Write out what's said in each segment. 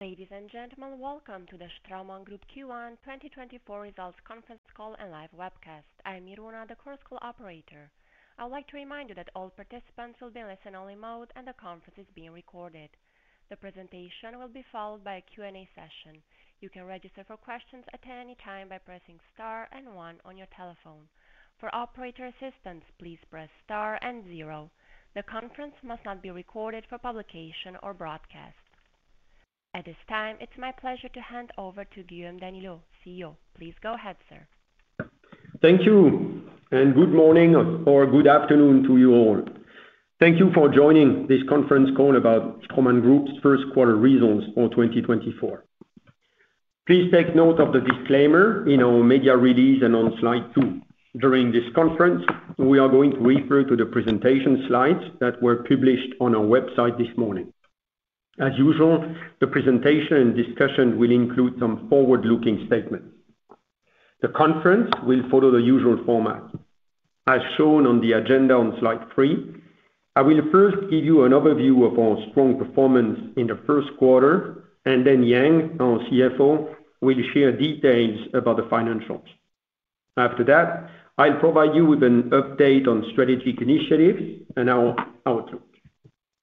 Ladies and gentlemen, welcome to the Straumann Group Q1 2024 Results Conference Call and Live Webcast. I'm Irina, the conference operator. I would like to remind you that all participants will be in listen-only mode, and the conference is being recorded. The presentation will be followed by a Q&A session. You can register for questions at any time by pressing star and one on your telephone. For operator assistance, please press star and zero. The conference must not be recorded for publication or broadcast. At this time, it's my pleasure to hand over to Guillaume Daniellot, Chief Executive Officer. Please go ahead, sir. Thank you, and good morning or good afternoon to you all. Thank you for joining this conference call about Straumann Group's first quarter results for 2024. Please take note of the disclaimer in our media release and on slide two. During this conference, we are going to refer to the presentation slides that were published on our website this morning. As usual, the presentation and discussion will include some forward-looking statements. The conference will follow the usual format. As shown on the agenda on slide three, I will first give you an overview of our strong performance in the first quarter, and then Yang, our Chief Financial Officer, will share details about the financials. After that, I'll provide you with an update on strategic initiatives and our outlook.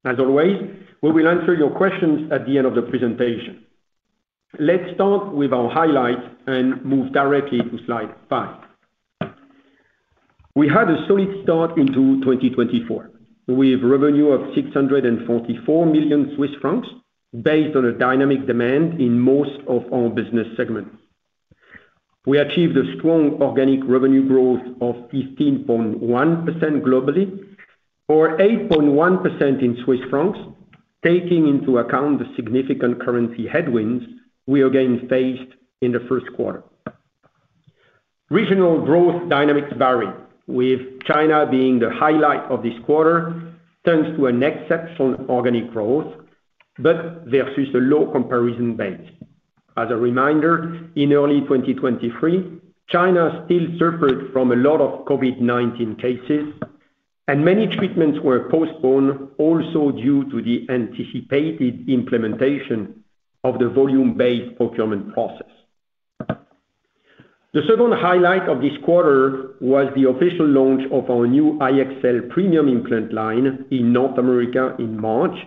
As always, we will answer your questions at the end of the presentation. Let's start with our highlights and move directly to slide five. We had a solid start into 2024, with revenue of 644 million Swiss francs, based on a dynamic demand in most of our business segments. We achieved a strong organic revenue growth of 15.1% globally, or 8.1% in Swiss francs, taking into account the significant currency headwinds we again faced in the first quarter. Regional growth dynamics varied, with China being the highlight of this quarter, thanks to an exceptional organic growth, but versus a low comparison base. As a reminder, in early 2023, China still suffered from a lot of COVID-19 cases, and many treatments were postponed also due to the anticipated implementation of the volume-based procurement process. The second highlight of this quarter was the official launch of our new iEXCEL premium implant line in North America in March,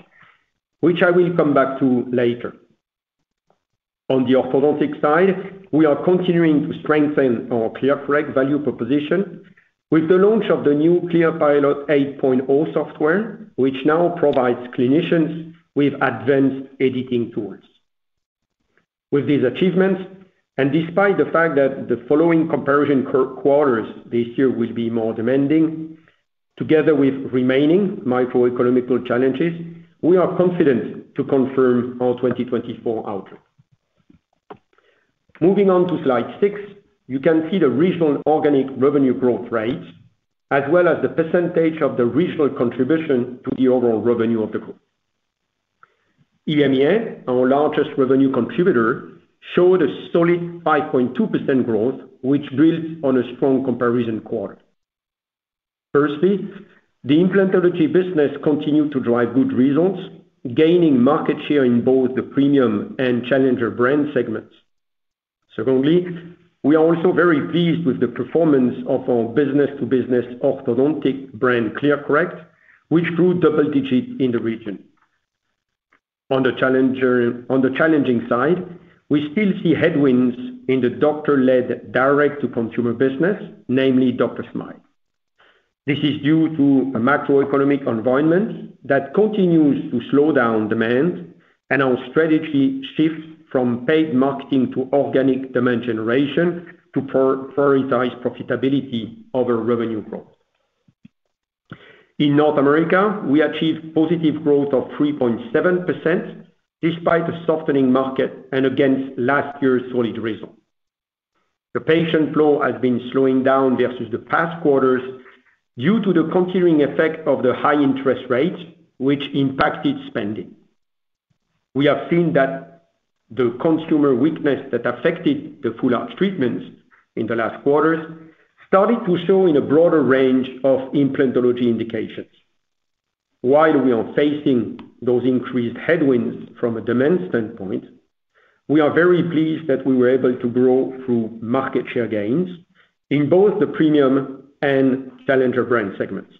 which I will come back to later. On the orthodontic side, we are continuing to strengthen our ClearCorrect value proposition with the launch of the new ClearPilot 8.0 software, which now provides clinicians with advanced editing tools. With these achievements, and despite the fact that the following comparison quarters this year will be more demanding, together with remaining microeconomic challenges, we are confident to confirm our 2024 outlook. Moving on to slide six, you can see the regional organic revenue growth rates, as well as the percentage of the regional contribution to the overall revenue of the group. EMEA, our largest revenue contributor, showed a solid 5.2% growth, which builds on a strong comparison quarter. Firstly, the implantology business continued to drive good results, gaining market share in both the premium and challenger brand segments. Secondly, we are also very pleased with the performance of our business-to-business orthodontic brand, ClearCorrect, which grew double digits in the region. On the challenger-- on the challenging side, we still see headwinds in the doctor-led direct-to-consumer business, namely DrSmile. This is due to a macroeconomic environment that continues to slow down demand and our strategy shift from paid marketing to organic demand generation to prioritize profitability over revenue growth. In North America, we achieved positive growth of 3.7%, despite a softening market and against last year's solid result. The patient flow has been slowing down versus the past quarters due to the continuing effect of the high interest rates, which impacted spending. We have seen that the consumer weakness that affected the full arch treatments in the last quarters started to show in a broader range of implantology indications. While we are facing those increased headwinds from a demand standpoint, we are very pleased that we were able to grow through market share gains in both the premium and challenger brand segments.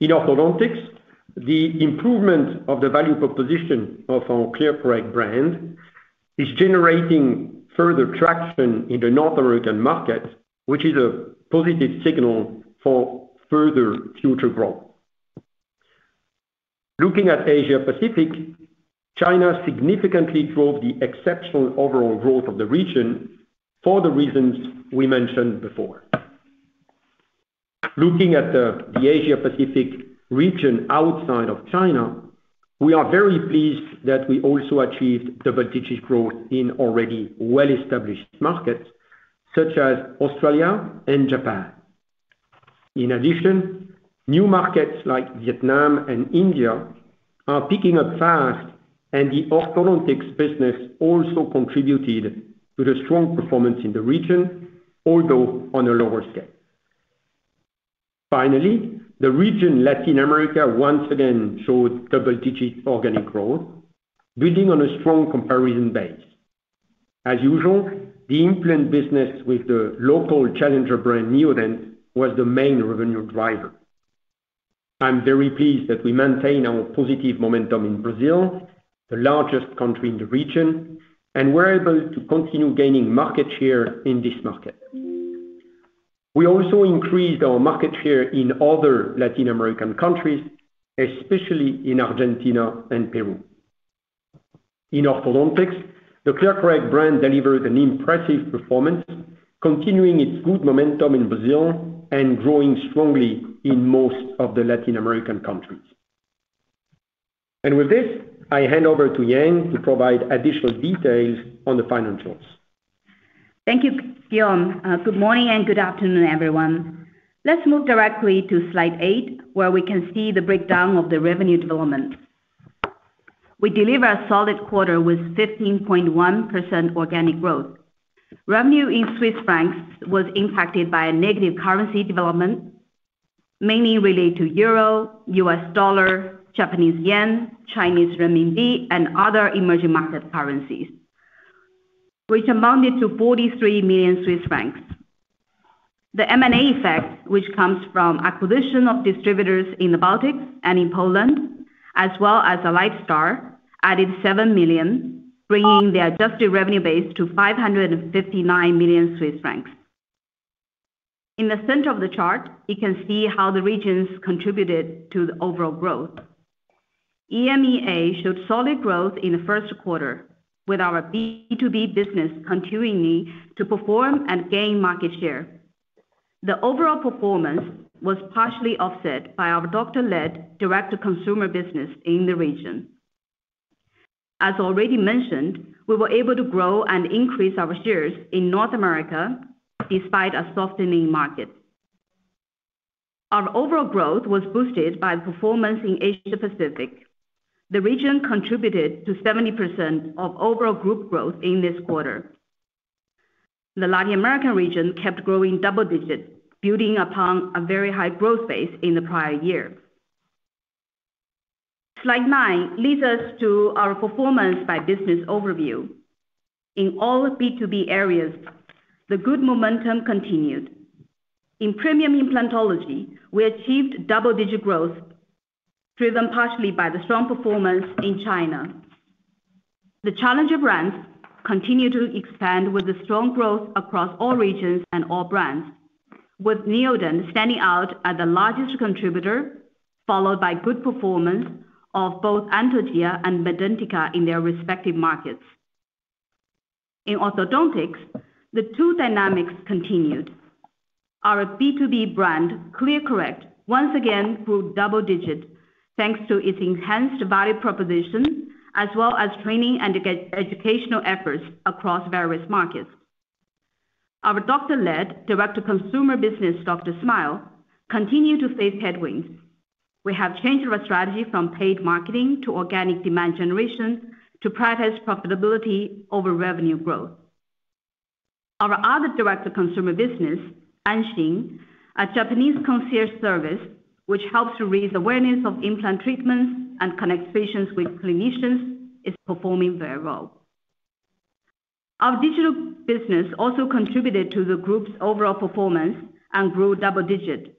In orthodontics, the improvement of the value proposition of our ClearCorrect brand is generating further traction in the North American market, which is a positive signal for further future growth. Looking at Asia Pacific, China significantly drove the exceptional overall growth of the region for the reasons we mentioned before. Looking at the Asia Pacific region outside of China, we are very pleased that we also achieved double-digit growth in already well-established markets such as Australia and Japan. In addition, new markets like Vietnam and India are picking up fast, and the orthodontics business also contributed to the strong performance in the region, although on a lower scale. Finally, the region Latin America, once again, showed double-digit organic growth, building on a strong comparison base. As usual, the implant business with the local challenger brand, Neodent, was the main revenue driver. I'm very pleased that we maintain our positive momentum in Brazil, the largest country in the region, and we're able to continue gaining market share in this market. We also increased our market share in other Latin American countries, especially in Argentina and Peru. In orthodontics, the ClearCorrect brand delivered an impressive performance, continuing its good momentum in Brazil and growing strongly in most of the Latin American countries. And with this, I hand over to Yang to provide additional details on the financials. Thank you, Guillaume. Good morning and good afternoon, everyone. Let's move directly to slide 8, where we can see the breakdown of the revenue development. We deliver a solid quarter with 15.1% organic growth. Revenue in Swiss francs was impacted by a negative currency development, mainly related to euro, U.S. dollar, Japanese yen, Chinese renminbi, and other emerging market currencies, which amounted to 43 million Swiss francs. The M&A effect, which comes from acquisition of distributors in the Baltics and in Poland, as well as the AlliedStar, added 7 million, bringing the adjusted revenue base to 559 million Swiss francs. In the center of the chart, you can see how the regions contributed to the overall growth. EMEA showed solid growth in the first quarter, with our B2B business continuing to perform and gain market share. The overall performance was partially offset by our doctor-led direct-to-consumer business in the region. As already mentioned, we were able to grow and increase our shares in North America despite a softening market. Our overall growth was boosted by performance in Asia Pacific. The region contributed to 70% of overall group growth in this quarter. The Latin American region kept growing double digits, building upon a very high growth base in the prior year. Slide nine leads us to our performance by business overview. In all B2B areas, the good momentum continued. In premium implantology, we achieved double-digit growth, driven partially by the strong performance in China. The challenger brands continue to expand with the strong growth across all regions and all brands, with Neodent standing out as the largest contributor, followed by good performance of both Anthogyr and Medentika in their respective markets. In orthodontics, the two dynamics continued. Our B2B brand, ClearCorrect, once again, grew double-digit, thanks to its enhanced value proposition, as well as training and educational efforts across various markets. Our doctor-led direct-to-consumer business, DrSmile, continue to face headwinds. We have changed our strategy from paid marketing to organic demand generation to prioritize profitability over revenue growth. Our other direct-to-consumer business, Anshin, a Japanese concierge service, which helps to raise awareness of implant treatments and connects patients with clinicians, is performing very well. Our digital business also contributed to the group's overall performance and grew double-digit,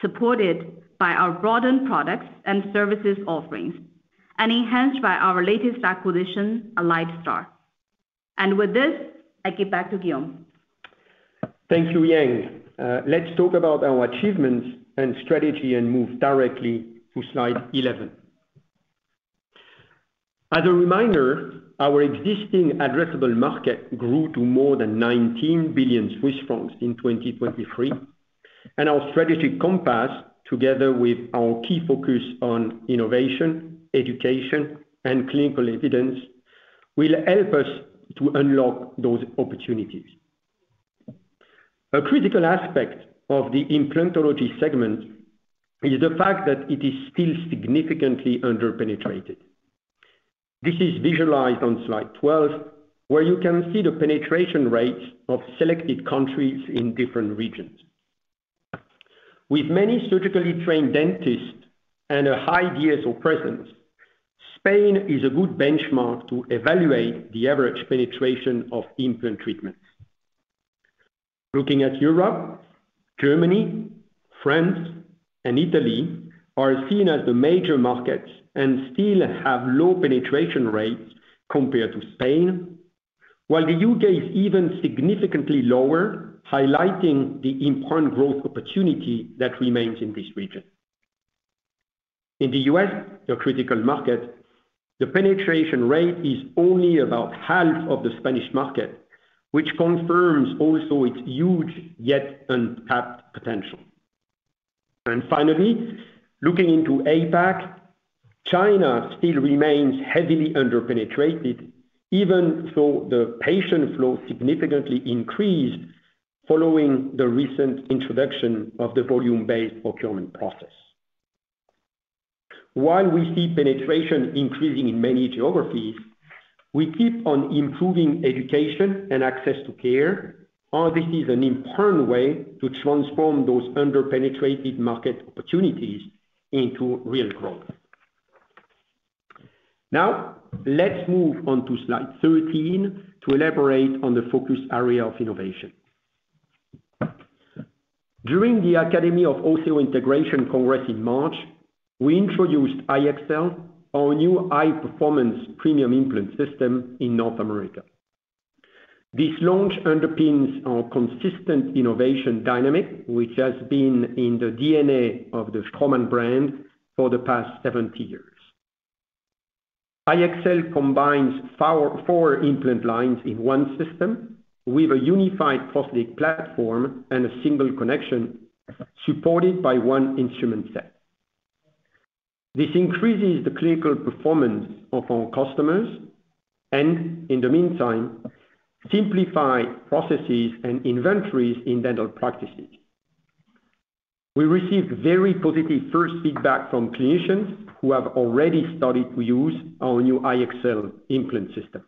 supported by our broadened products and services offerings, and enhanced by our latest acquisition, AlliedStar. With this, I give back to Guillaume. Thank you, Yang. Let's talk about our achievements and strategy and move directly to slide 11. As a reminder, our existing addressable market grew to more than 19 billion Swiss francs in 2023, and our strategic compass, together with our key focus on innovation, education, and clinical evidence, will help us to unlock those opportunities. A critical aspect of the implantology segment is the fact that it is still significantly underpenetrated. This is visualized on slide 12, where you can see the penetration rates of selected countries in different regions. With many surgically trained dentists and a high DSO presence, Spain is a good benchmark to evaluate the average penetration of implant treatments. Looking at Europe, Germany, France, and Italy are seen as the major markets and still have low penetration rates compared to Spain, while the U.K. is even significantly lower, highlighting the important growth opportunity that remains in this region. In the U.S., a critical market, the penetration rate is only about half of the Spanish market, which confirms also its huge, yet untapped potential. And finally, looking into APAC, China still remains heavily underpenetrated, even though the patient flow significantly increased following the recent introduction of the volume-based procurement process. While we see penetration increasing in many geographies, we keep on improving education and access to care, as this is an important way to transform those under-penetrated market opportunities into real growth. Now, let's move on to slide 13 to elaborate on the focus area of innovation. During the Academy of Osseointegration Congress in March, we introduced iEXCEL, our new high-performance premium implant system in North America. This launch underpins our consistent innovation dynamic, which has been in the DNA of the Straumann brand for the past 70 years. iEXCEL combines four implant lines in one system with a unified prosthetic platform and a single connection supported by one instrument set. This increases the clinical performance of our customers and, in the meantime, simplify processes and inventories in dental practices. We received very positive first feedback from clinicians who have already started to use our new iEXCEL implant system.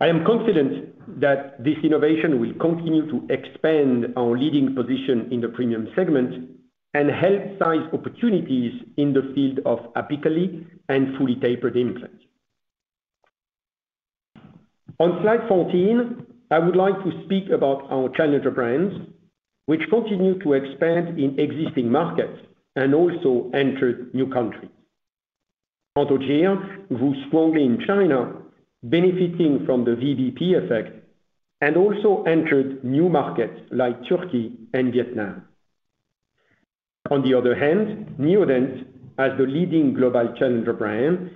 I am confident that this innovation will continue to expand our leading position in the premium segment and help seize opportunities in the field of apically and fully tapered implants. On slide 14, I would like to speak about our challenger brands, which continue to expand in existing markets and also entered new countries. Anthogyr grew strongly in China, benefiting from the VBP effect, and also entered new markets like Turkey and Vietnam. On the other hand, Neodent, as the leading global challenger brand,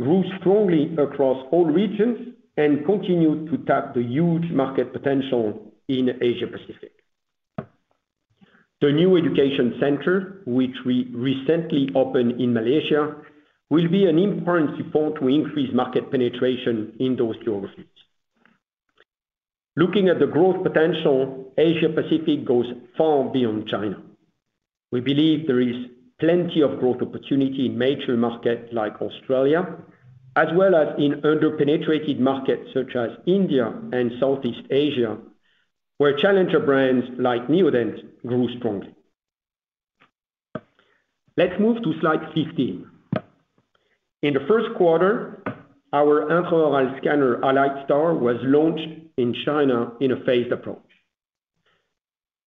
grew strongly across all regions and continued to tap the huge market potential in Asia Pacific. The new education center, which we recently opened in Malaysia, will be an important support to increase market penetration in those geographies. Looking at the growth potential, Asia Pacific goes far beyond China. We believe there is plenty of growth opportunity in mature markets like Australia, as well as in under-penetrated markets such as India and Southeast Asia, where challenger brands like Neodent grew strongly. Let's move to slide 15. In the first quarter, our intraoral scanner, AlliedStar, was launched in China in a phased approach.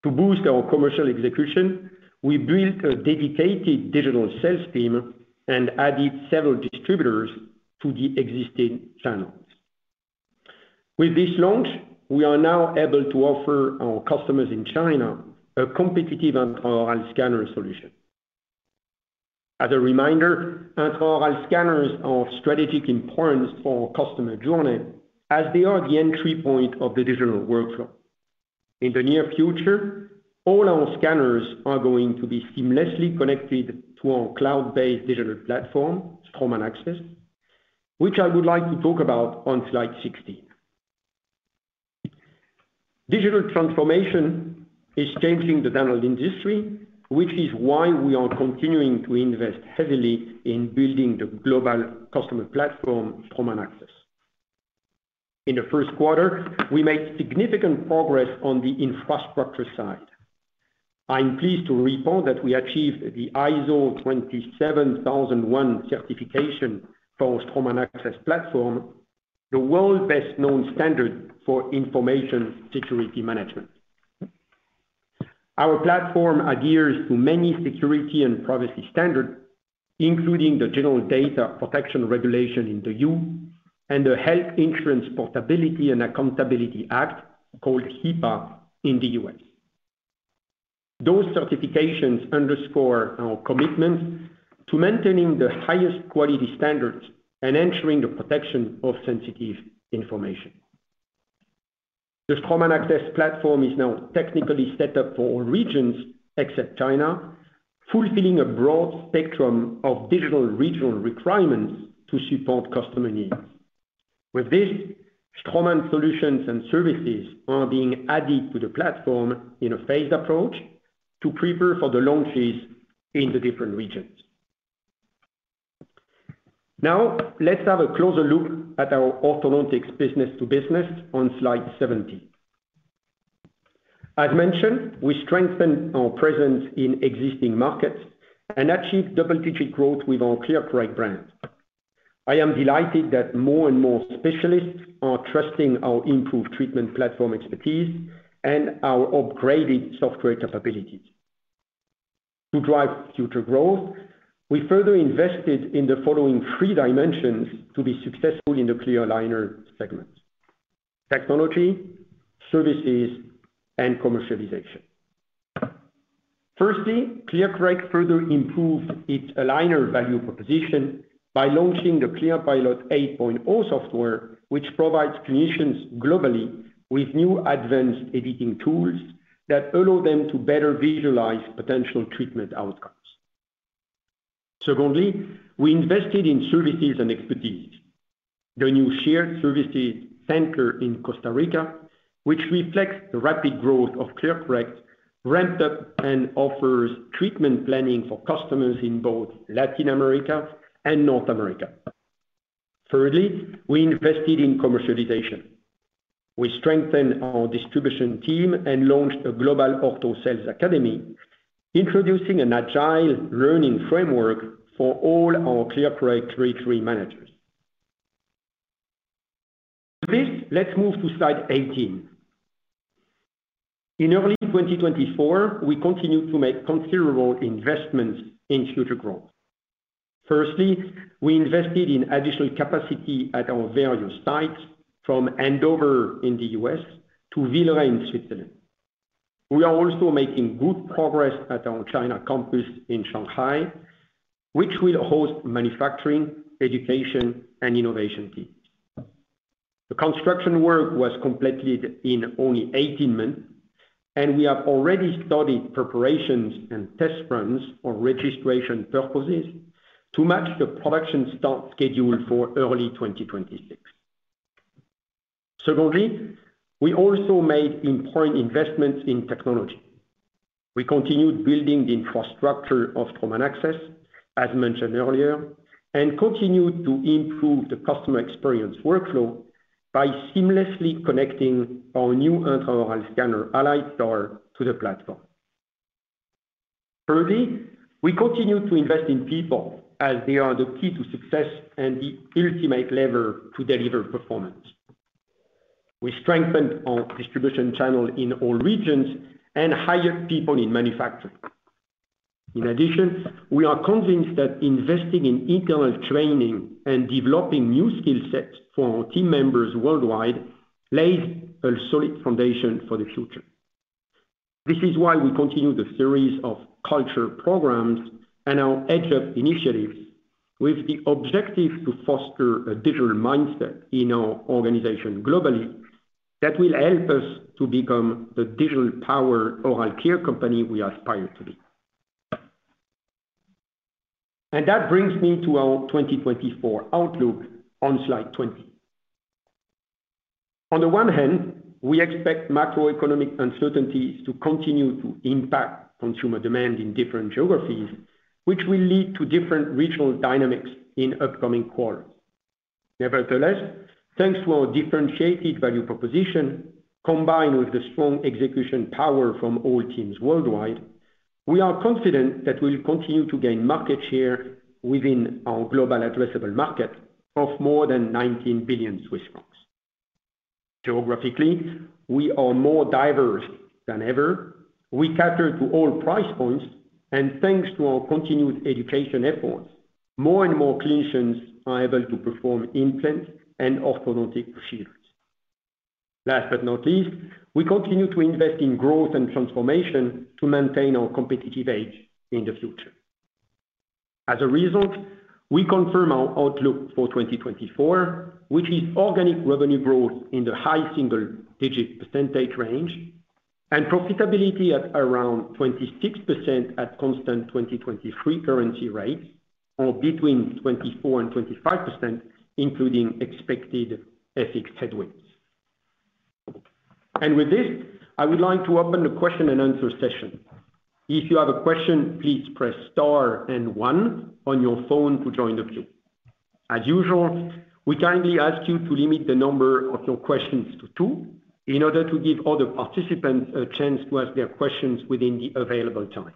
To boost our commercial execution, we built a dedicated digital sales team and added several distributors to the existing channels. With this launch, we are now able to offer our customers in China a competitive intraoral scanner solution. As a reminder, intraoral scanners are of strategic importance for customer journey as they are the entry point of the digital workflow. In the near future, all our scanners are going to be seamlessly connected to our cloud-based digital platform, Straumann AXS, which I would like to talk about on slide 16. Digital transformation is changing the dental industry, which is why we are continuing to invest heavily in building the global customer platform, Straumann AXS. In the first quarter, we made significant progress on the infrastructure side. I'm pleased to report that we achieved the ISO 27001 certification for Straumann AXS platform, the world's best-known standard for information security management. Our platform adheres to many security and privacy standards, including the General Data Protection Regulation in the EU and the Health Insurance Portability and Accountability Act, called HIPAA, in the US. Those certifications underscore our commitment to maintaining the highest quality standards and ensuring the protection of sensitive information. The Straumann AXS platform is now technically set up for all regions except China, fulfilling a broad spectrum of digital regional requirements to support customer needs. With this, Straumann solutions and services are being added to the platform in a phased approach to prepare for the launches in the different regions. Now, let's have a closer look at our orthodontics business to business on slide 17. As mentioned, we strengthened our presence in existing markets and achieved double-digit growth with our ClearCorrect brand. I am delighted that more and more specialists are trusting our improved treatment platform expertise and our upgraded software capabilities. To drive future growth, we further invested in the following three dimensions to be successful in the clear aligner segment: technology, services, and commercialization. Firstly, ClearCorrect further improved its aligner value proposition by launching the ClearPilot 8.0 software, which provides clinicians globally with new advanced editing tools that allow them to better visualize potential treatment outcomes. Secondly, we invested in services and expertise.... The new shared services center in Costa Rica, which reflects the rapid growth of ClearCorrect, ramped up and offers treatment planning for customers in both Latin America and North America. Thirdly, we invested in commercialization. We strengthened our distribution team and launched a global ortho sales academy, introducing an agile learning framework for all our ClearCorrect 33 managers. Please, let's move to slide 18. In early 2024, we continued to make considerable investments in future growth. Firstly, we invested in additional capacity at our various sites, from Andover in the US to Villeret in Switzerland. We are also making good progress at our China campus in Shanghai, which will host manufacturing, education, and innovation teams. The construction work was completed in only 18 months, and we have already started preparations and test runs for registration purposes to match the production start scheduled for early 2026. Secondly, we also made important investments in technology. We continued building the infrastructure of human access, as mentioned earlier, and continued to improve the customer experience workflow by seamlessly connecting our new intraoral scanner, Allied Star, to the platform. Thirdly, we continued to invest in people as they are the key to success and the ultimate lever to deliver performance. We strengthened our distribution channel in all regions and hired people in manufacturing. In addition, we are convinced that investing in internal training and developing new skill sets for our team members worldwide lays a solid foundation for the future. This is why we continue the series of culture programs and our edge up initiatives with the objective to foster a digital mindset in our organization globally that will help us to become the digital power oral care company we aspire to be. That brings me to our 2024 outlook on slide 20. On the one hand, we expect macroeconomic uncertainties to continue to impact consumer demand in different geographies, which will lead to different regional dynamics in upcoming quarters. Nevertheless, thanks to our differentiated value proposition, combined with the strong execution power from all teams worldwide, we are confident that we'll continue to gain market share within our global addressable market of more than 19 billion Swiss francs. Geographically, we are more diverse than ever. We cater to all price points, and thanks to our continued education efforts, more and more clinicians are able to perform implant and orthodontic procedures. Last but not least, we continue to invest in growth and transformation to maintain our competitive edge in the future. As a result, we confirm our outlook for 2024, which is organic revenue growth in the high single-digit percentage range and profitability at around 26% at constant 2023 currency rates, or between 24%-25%, including expected FX headwinds. With this, I would like to open the question and answer session. If you have a question, please press star and one on your phone to join the queue. As usual, we kindly ask you to limit the number of your questions to two in order to give other participants a chance to ask their questions within the available time.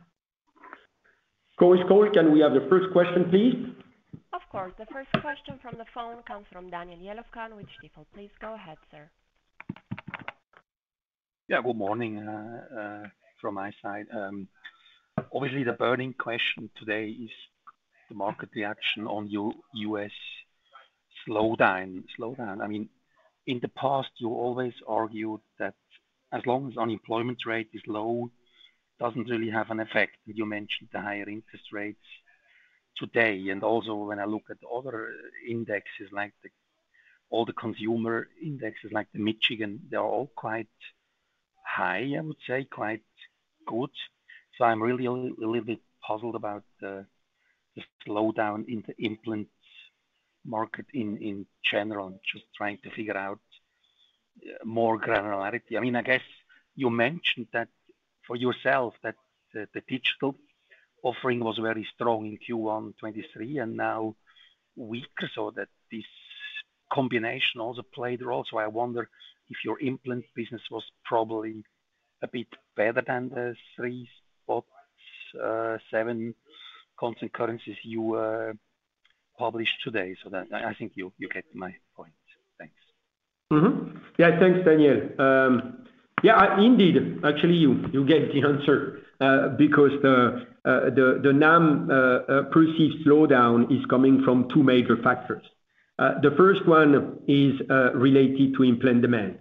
Chorus Call, can we have the first question, please? Of course. The first question from the phone comes from Daniel Jelovcan with Stifel. Please go ahead, sir. Yeah, good morning from my side. Obviously, the burning question today is the market reaction on U.S. slowdown. Slowdown, I mean, in the past, you always argued that as long as unemployment rate is low, doesn't really have an effect. You mentioned the higher interest rates today, and also when I look at other indexes, like all the consumer indexes, like the Michigan, they are all quite high, I would say, quite good. So I'm really a little bit puzzled about the slowdown in the implant market in general. I'm just trying to figure out more granularity. I mean, I guess you mentioned that for yourself, that the digital offering was very strong in Q1 2023 and now weaker, so that this combination also played a role. So I wonder if your implant business was probably a bit better than the three or seven constant currencies you published today. So then I think you get my point. Thanks. Mm-hmm. Yeah, thanks, Daniel. Yeah, indeed. Actually, you get the answer because the NAM perceived slowdown is coming from two major factors. The first one is related to implant demand.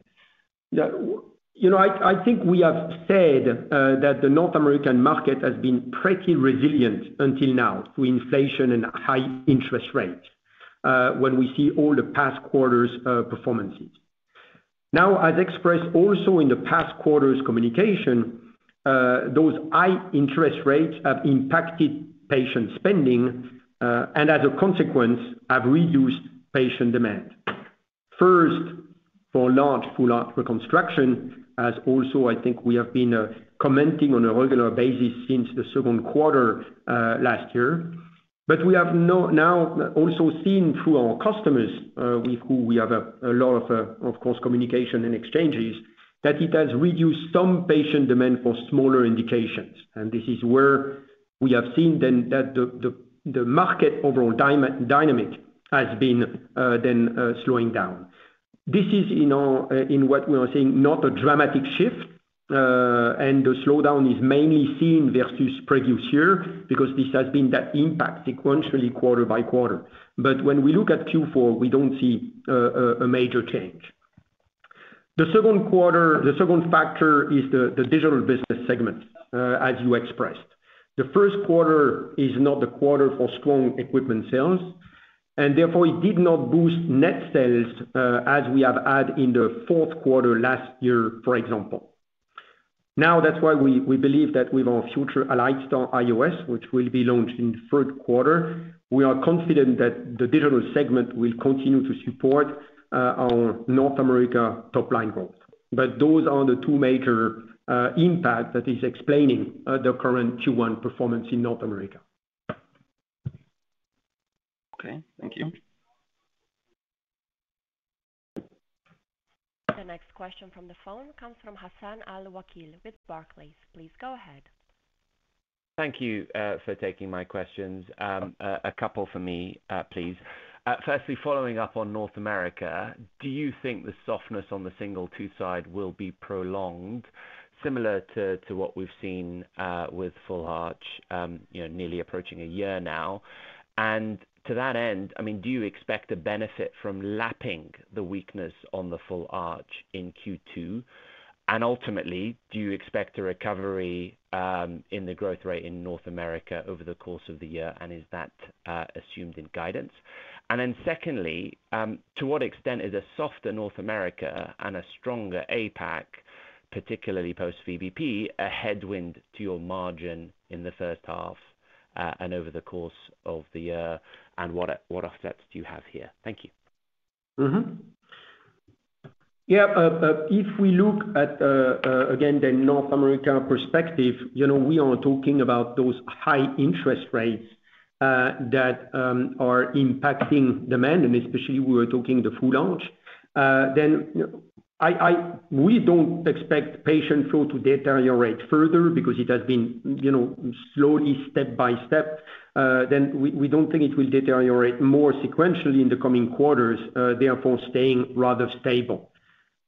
You know, I think we have said that the North American market has been pretty resilient until now to inflation and high interest rates when we see all the past quarters performances. Now, as expressed also in the past quarter's communication, those high interest rates have impacted patient spending and as a consequence, have reduced patient demand. First, for large Full Arch reconstruction, as also I think we have been commenting on a regular basis since the second quarter last year. But we have now also seen through our customers, with who we have a lot of, of course, communication and exchanges, that it has reduced some patient demand for smaller indications, and this is where we have seen then that the market overall dynamic has been then slowing down. This is in our, in what we are saying, not a dramatic shift, and the slowdown is mainly seen versus previous year, because this has been that impact sequentially quarter by quarter. But when we look at Q4, we don't see a major change. The second factor is the digital business segment, as you expressed. The first quarter is not the quarter for strong equipment sales, and therefore it did not boost net sales, as we have had in the fourth quarter last year, for example. Now, that's why we believe that with our future aligner iOS, which will be launched in the third quarter, we are confident that the digital segment will continue to support our North America top line growth. But those are the two major impact that is explaining the current Q1 performance in North America. Okay, thank you. The next question from the phone comes from Hassan Al-Wakeel with Barclays. Please go ahead. Thank you for taking my questions. A couple for me, please. Firstly, following up on North America, do you think the softness on the single-tooth side will be prolonged, similar to what we've seen with Full Arch, you know, nearly approaching a year now? And to that end, I mean, do you expect a benefit from lapping the weakness on the Full Arch in Q2? And ultimately, do you expect a recovery in the growth rate in North America over the course of the year, and is that assumed in guidance? And then secondly, to what extent is a softer North America and a stronger APAC, particularly post-VBP, a headwind to your margin in the first half and over the course of the year, and what offsets do you have here? Thank you. Mm-hmm. Yeah, if we look at, again, the North America perspective, you know, we are talking about those high interest rates that are impacting demand, and especially we were talking the Full Arch. Then, you know, we don't expect patient flow to deteriorate further because it has been, you know, slowly, step by step. Then, we don't think it will deteriorate more sequentially in the coming quarters, therefore, staying rather stable.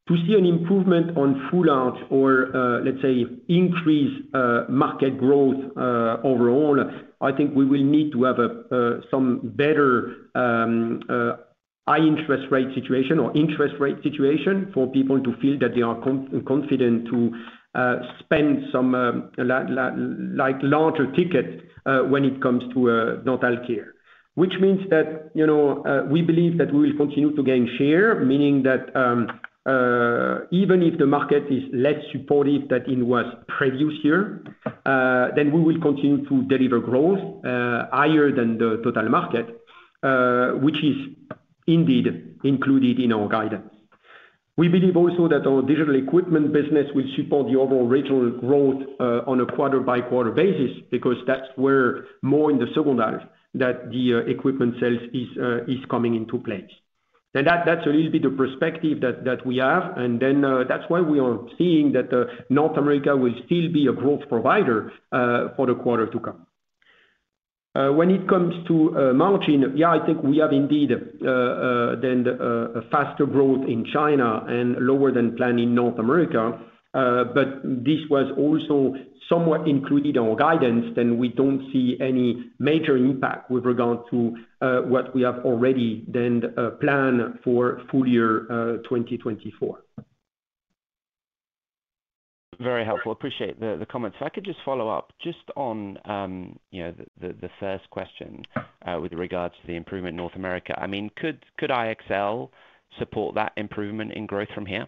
To see an improvement on Full Arch or, let's say, increased market growth, overall, I think we will need to have some better high interest rate situation or interest rate situation for people to feel that they are confident to spend some, like, larger ticket when it comes to dental care. Which means that, you know, we believe that we will continue to gain share, meaning that, even if the market is less supportive than it was previous year, then we will continue to deliver growth, higher than the total market, which is indeed included in our guidance. We believe also that our digital equipment business will support the overall regional growth, on a quarter-by-quarter basis, because that's where more in the second half that the equipment sales is coming into place. And that, that's a little bit of perspective that we have, and then, that's why we are seeing that, North America will still be a growth provider, for the quarter to come. When it comes to margin, yeah, I think we have indeed a faster growth in China and lower than planned in North America, but this was also somewhat included in our guidance, then we don't see any major impact with regard to what we have already planned for full year 2024. Very helpful. Appreciate the comments. If I could just follow up just on, you know, the first question, with regards to the improvement in North America. I mean, could iEXCEL support that improvement in growth from here?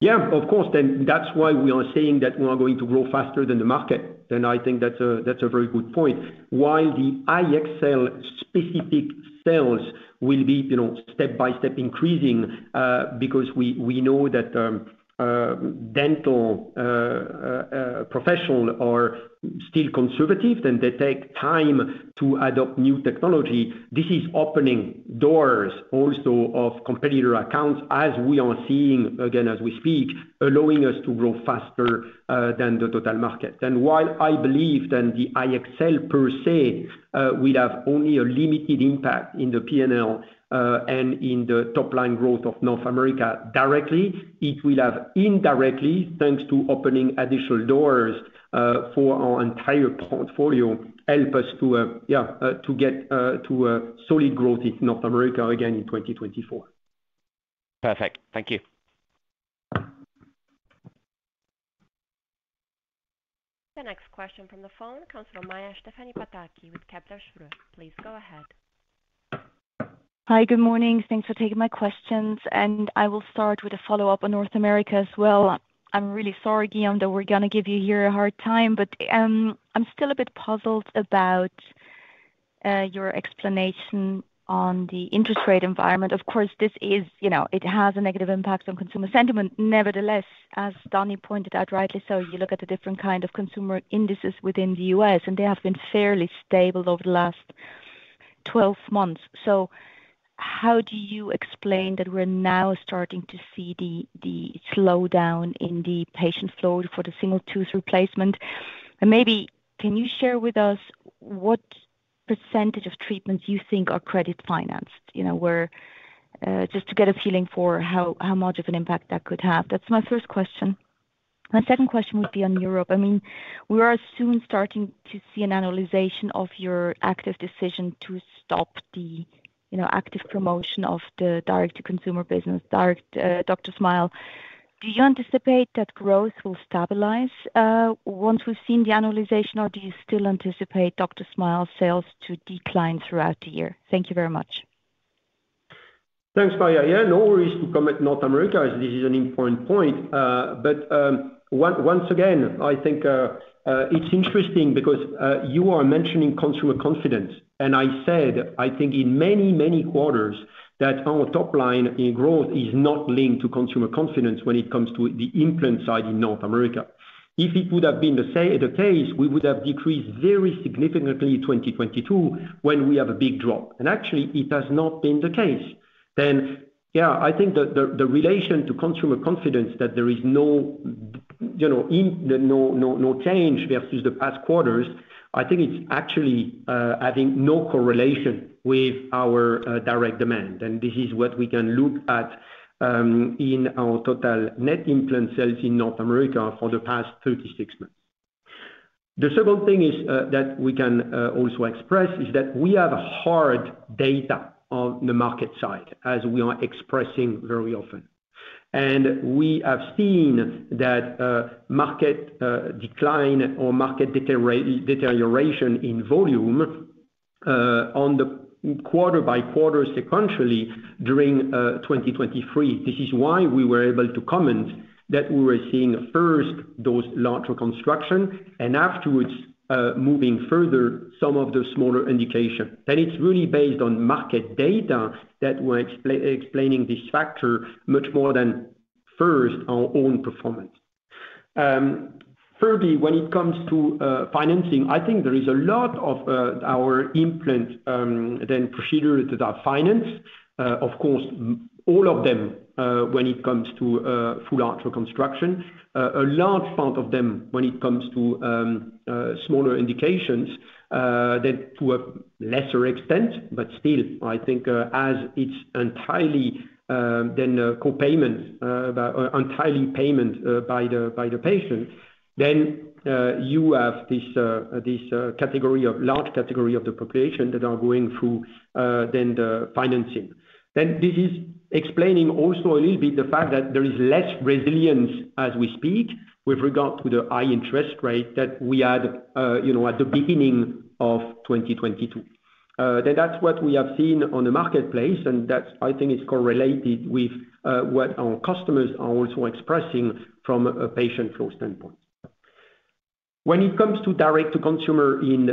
Yeah, of course. Then that's why we are saying that we are going to grow faster than the market, and I think that's a, that's a very good point. While the iEXCEL specific sales will be, you know, step by step increasing, because we, we know that the dental professional are still conservative, then they take time to adopt new technology. This is opening doors also of competitor accounts, as we are seeing, again, as we speak, allowing us to grow faster than the total market. While I believe the iEXCEL per se will have only a limited impact in the P&L and in the top line growth of North America directly, it will have indirectly, thanks to opening additional doors for our entire portfolio, help us to get to a solid growth in North America again in 2024. Perfect. Thank you. The next question from the phone comes from Maja Stefani Pataki with Kepler Cheuvreux. Please go ahead. Hi, good morning. Thanks for taking my questions, and I will start with a follow-up on North America as well. I'm really sorry, Guillaume, that we're gonna give you here a hard time, but I'm still a bit puzzled about your explanation on the interest rate environment. Of course, this is, you know, it has a negative impact on consumer sentiment. Nevertheless, as Donnie pointed out, rightly so, you look at the different kind of consumer indices within the U.S, and they have been fairly stable over the last 12 months. So how do you explain that we're now starting to see the slowdown in the patient flow for the single tooth replacement? And maybe can you share with us what percentage of treatments you think are credit financed? You know, where, just to get a feeling for how much of an impact that could have. That's my first question. My second question would be on Europe. I mean, we are soon starting to see an annualization of your active decision to stop the, you know, active promotion of the direct-to-consumer business, direct, DrSmile. Do you anticipate that growth will stabilize, once we've seen the annualization, or do you still anticipate DrSmile sales to decline throughout the year? Thank you very much. Thanks, Maja. Yeah, no worries to comment North America, as this is an important point. Once again, I think it's interesting because you are mentioning consumer confidence, and I said, I think in many, many quarters that our top line in growth is not linked to consumer confidence when it comes to the implant side in North America. If it would have been the same the case, we would have decreased very significantly in 2022 when we have a big drop. And actually, it has not been the case. Then, yeah, I think the relation to consumer confidence that there is no, you know, change versus the past quarters. I think it's actually having no correlation with our direct demand, and this is what we can look at in our total net implant sales in North America for the past 36 months. The second thing is that we can also express is that we have hard data on the market side, as we are expressing very often. And we have seen that market decline or market deterioration in volume on the quarter-by-quarter sequentially during 2023. This is why we were able to comment that we were seeing first those large reconstruction and afterwards moving further some of the smaller indication. It's really based on market data that we're explaining this factor much more than our own performance. Thirdly, when it comes to financing, I think there is a lot of our implant procedure that are financed. Of course, all of them when it comes to full arch reconstruction. A large part of them when it comes to smaller indications, then to a lesser extent, but still, I think, as it's entirely co-payment, about entirely payment by the patient, then you have this category of large category of the population that are going through the financing. This is explaining also a little bit the fact that there is less resilience as we speak, with regard to the high interest rate that we had, you know, at the beginning of 2022. That's what we have seen on the marketplace, and that's... I think it's correlated with what our customers are also expressing from a patient flow standpoint. When it comes to direct-to-consumer in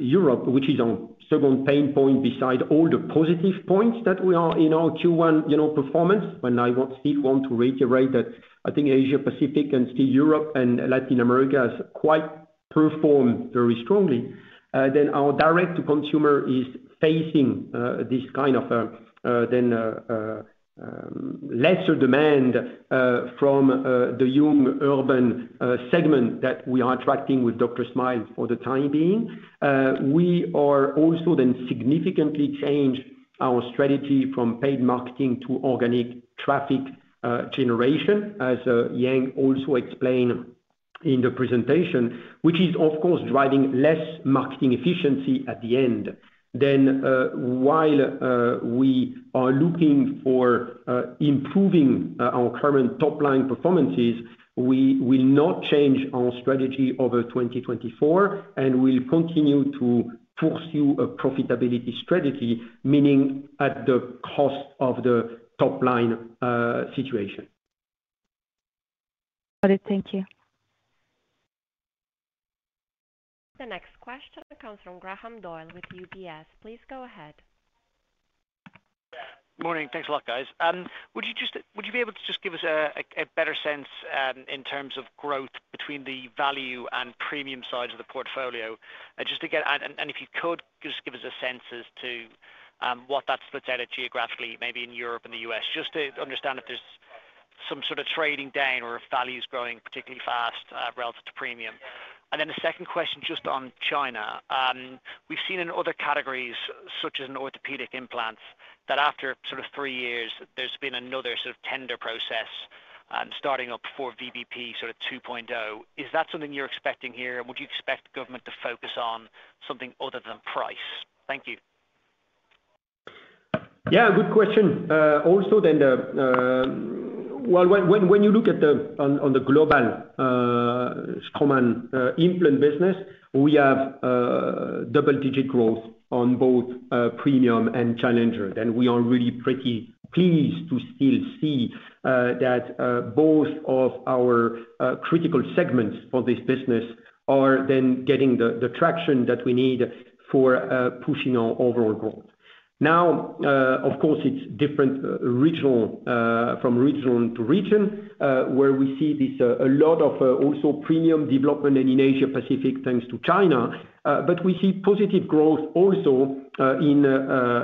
Europe, which is our second pain point beside all the positive points that we are in our Q1, you know, performance, when I want, still want to reiterate that I think Asia Pacific and still Europe and Latin America has quite performed very strongly, then our direct-to-consumer is facing this kind of then lesser demand from the young urban segment that we are attracting with DrSmile for the time being. We are also then significantly change our strategy from paid marketing to organic traffic generation, as Yang also explained in the presentation, which is, of course, driving less marketing efficiency at the end. Then, while we are looking for improving our current top-line performances, we will not change our strategy over 2024, and we'll continue to pursue a profitability strategy, meaning at the cost of the top line situation. Got it. Thank you. The next question comes from Graham Doyle with UBS. Please go ahead. Morning. Thanks a lot, guys. Would you just, would you be able to just give us a better sense in terms of growth between the value and premium sides of the portfolio? Just to get... And if you could, just give us a sense as to what that splits out geographically, maybe in Europe and the U.S., just to understand if there's some sort of trading down or if value is growing particularly fast relative to premium. And then the second question, just on China. We've seen in other categories, such as in orthopedic implants, that after sort of three years, there's been another sort of tender process starting up for VBP, sort of 2.0. Is that something you're expecting here? Would you expect the government to focus on something other than price? Thank you. Yeah, good question. Also then the, well, when you look at the on the global common implant business, we have double-digit growth on both premium and challenger. And we are really pretty pleased to still see that both of our critical segments for this business are then getting the traction that we need for pushing our overall growth. Now, of course, it's different regional from region to region where we see this a lot of also premium development and in Asia Pacific, thanks to China. But we see positive growth also in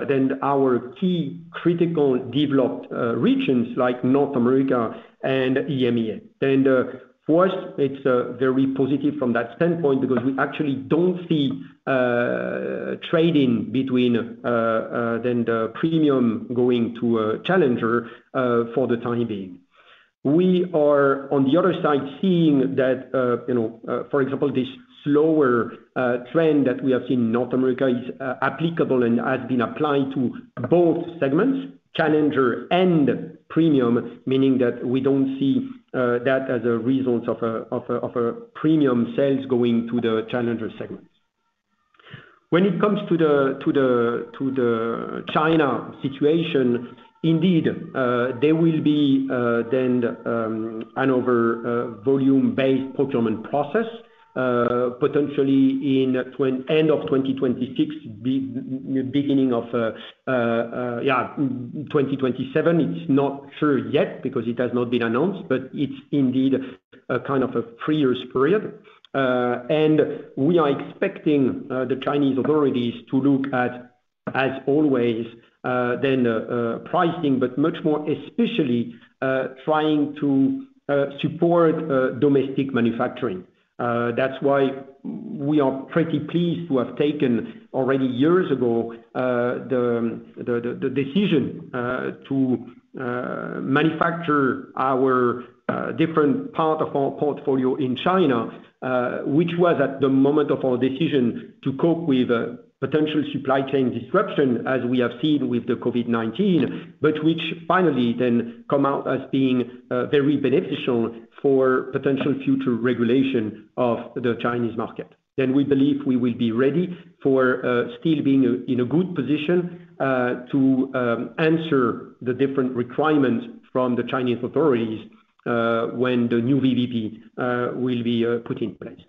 then our key critical developed regions like North America and EMEA. For us, it's very positive from that standpoint, because we actually don't see trading between then the premium going to a challenger for the time being. We are, on the other side, seeing that, you know, for example, this slower trend that we have seen in North America is applicable and has been applied to both segments, challenger and premium, meaning that we don't see that as a result of a premium sales going to the challenger segments. When it comes to the China situation, indeed, there will be then another volume-based procurement process potentially in end of 2026, beginning of 2027. It's not sure yet because it has not been announced, but it's indeed a kind of a three-years period. And we are expecting the Chinese authorities to look at, as always, then pricing, but much more especially trying to support domestic manufacturing. That's why we are pretty pleased to have taken already years ago the decision to manufacture our different part of our portfolio in China, which was at the moment of our decision to cope with a potential supply chain disruption, as we have seen with the COVID-19, but which finally then come out as being very beneficial for potential future regulation of the Chinese market. Then we believe we will be ready for still being in a good position to answer the different requirements from the Chinese authorities when the new VBP will be put in place.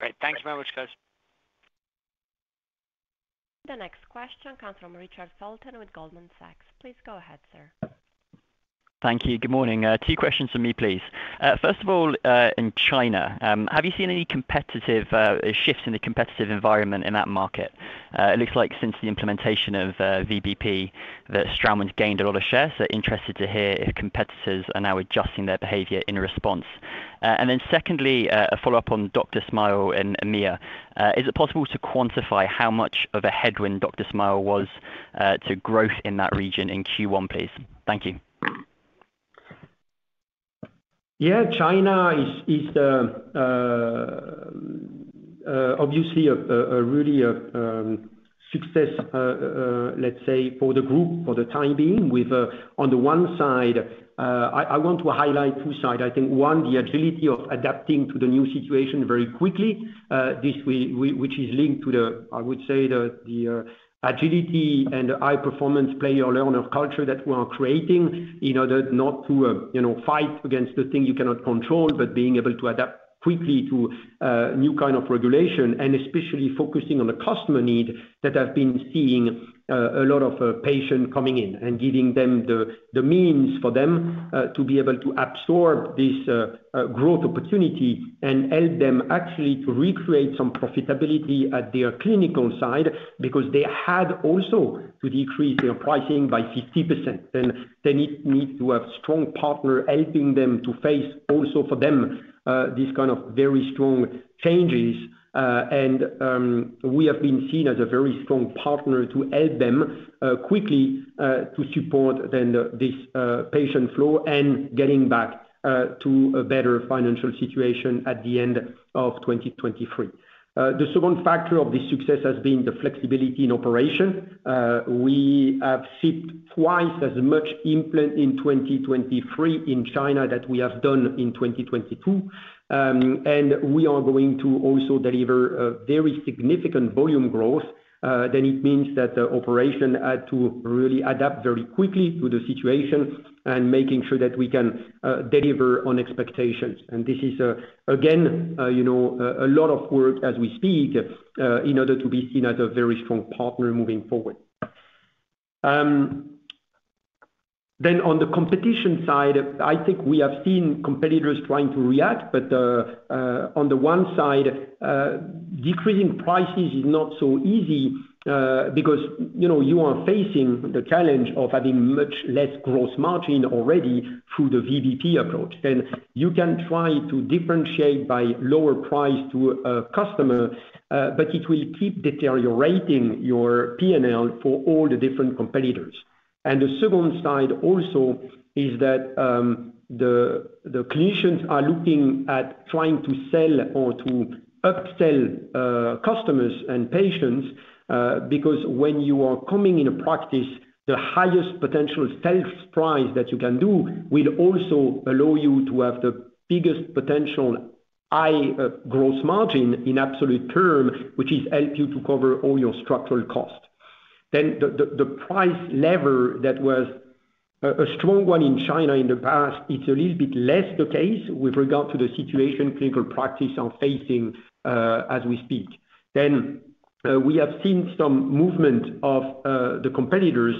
Great. Thanks very much, guys. The next question comes from Richard Felton with Goldman Sachs. Please go ahead, sir. Thank you. Good morning. Two questions for me, please. First of all, in China, have you seen any competitive shifts in the competitive environment in that market? It looks like since the implementation of VBP, that Straumann has gained a lot of shares, so interested to hear if competitors are now adjusting their behavior in response. And then secondly, a follow-up on DrSmile in EMEA. Is it possible to quantify how much of a headwind DrSmile was to growth in that region in Q1, please? Thank you. Yeah, China is obviously a really success, let's say, for the group for the time being, with, on the one side... I want to highlight two sides. I think, one, the agility of adapting to the new situation very quickly, which is linked to the, I would say, the, the, agility and the high-performance play or learn of culture that we are creating, in order not to, you know, fight against the thing you cannot control, but being able to adapt quickly to new kind of regulation, and especially focusing on the customer need that have been seeing a lot of patient coming in and giving them the, the means for them to be able to absorb this growth opportunity and help them actually to recreate some profitability at their clinical side, because they had also to decrease their pricing by 50%, and they need, need to have strong partner helping them to face also for them these kind of very strong changes. We have been seen as a very strong partner to help them quickly to support the patient flow and getting back to a better financial situation at the end of 2023. The second factor of this success has been the flexibility in operation. We have shipped twice as much implant in 2023 in China that we have done in 2022. And we are going to also deliver a very significant volume growth. Then it means that the operation had to really adapt very quickly to the situation and making sure that we can deliver on expectations. And this is, again, you know, a lot of work as we speak, in order to be seen as a very strong partner moving forward. Then on the competition side, I think we have seen competitors trying to react, but on the one side, decreasing prices is not so easy, because, you know, you are facing the challenge of having much less gross margin already through the VBP approach, and you can try to differentiate by lower price to a customer, but it will keep deteriorating your PNL for all the different competitors. And the second side also is that, the clinicians are looking at trying to sell or to upsell customers and patients, because when you are coming in a practice, the highest potential sales price that you can do will also allow you to have the biggest potential high growth margin in absolute term, which is help you to cover all your structural costs. Then the price level that was a strong one in China in the past, it's a little bit less the case with regard to the situation clinical practice are facing, as we speak. Then, we have seen some movement of, the competitors,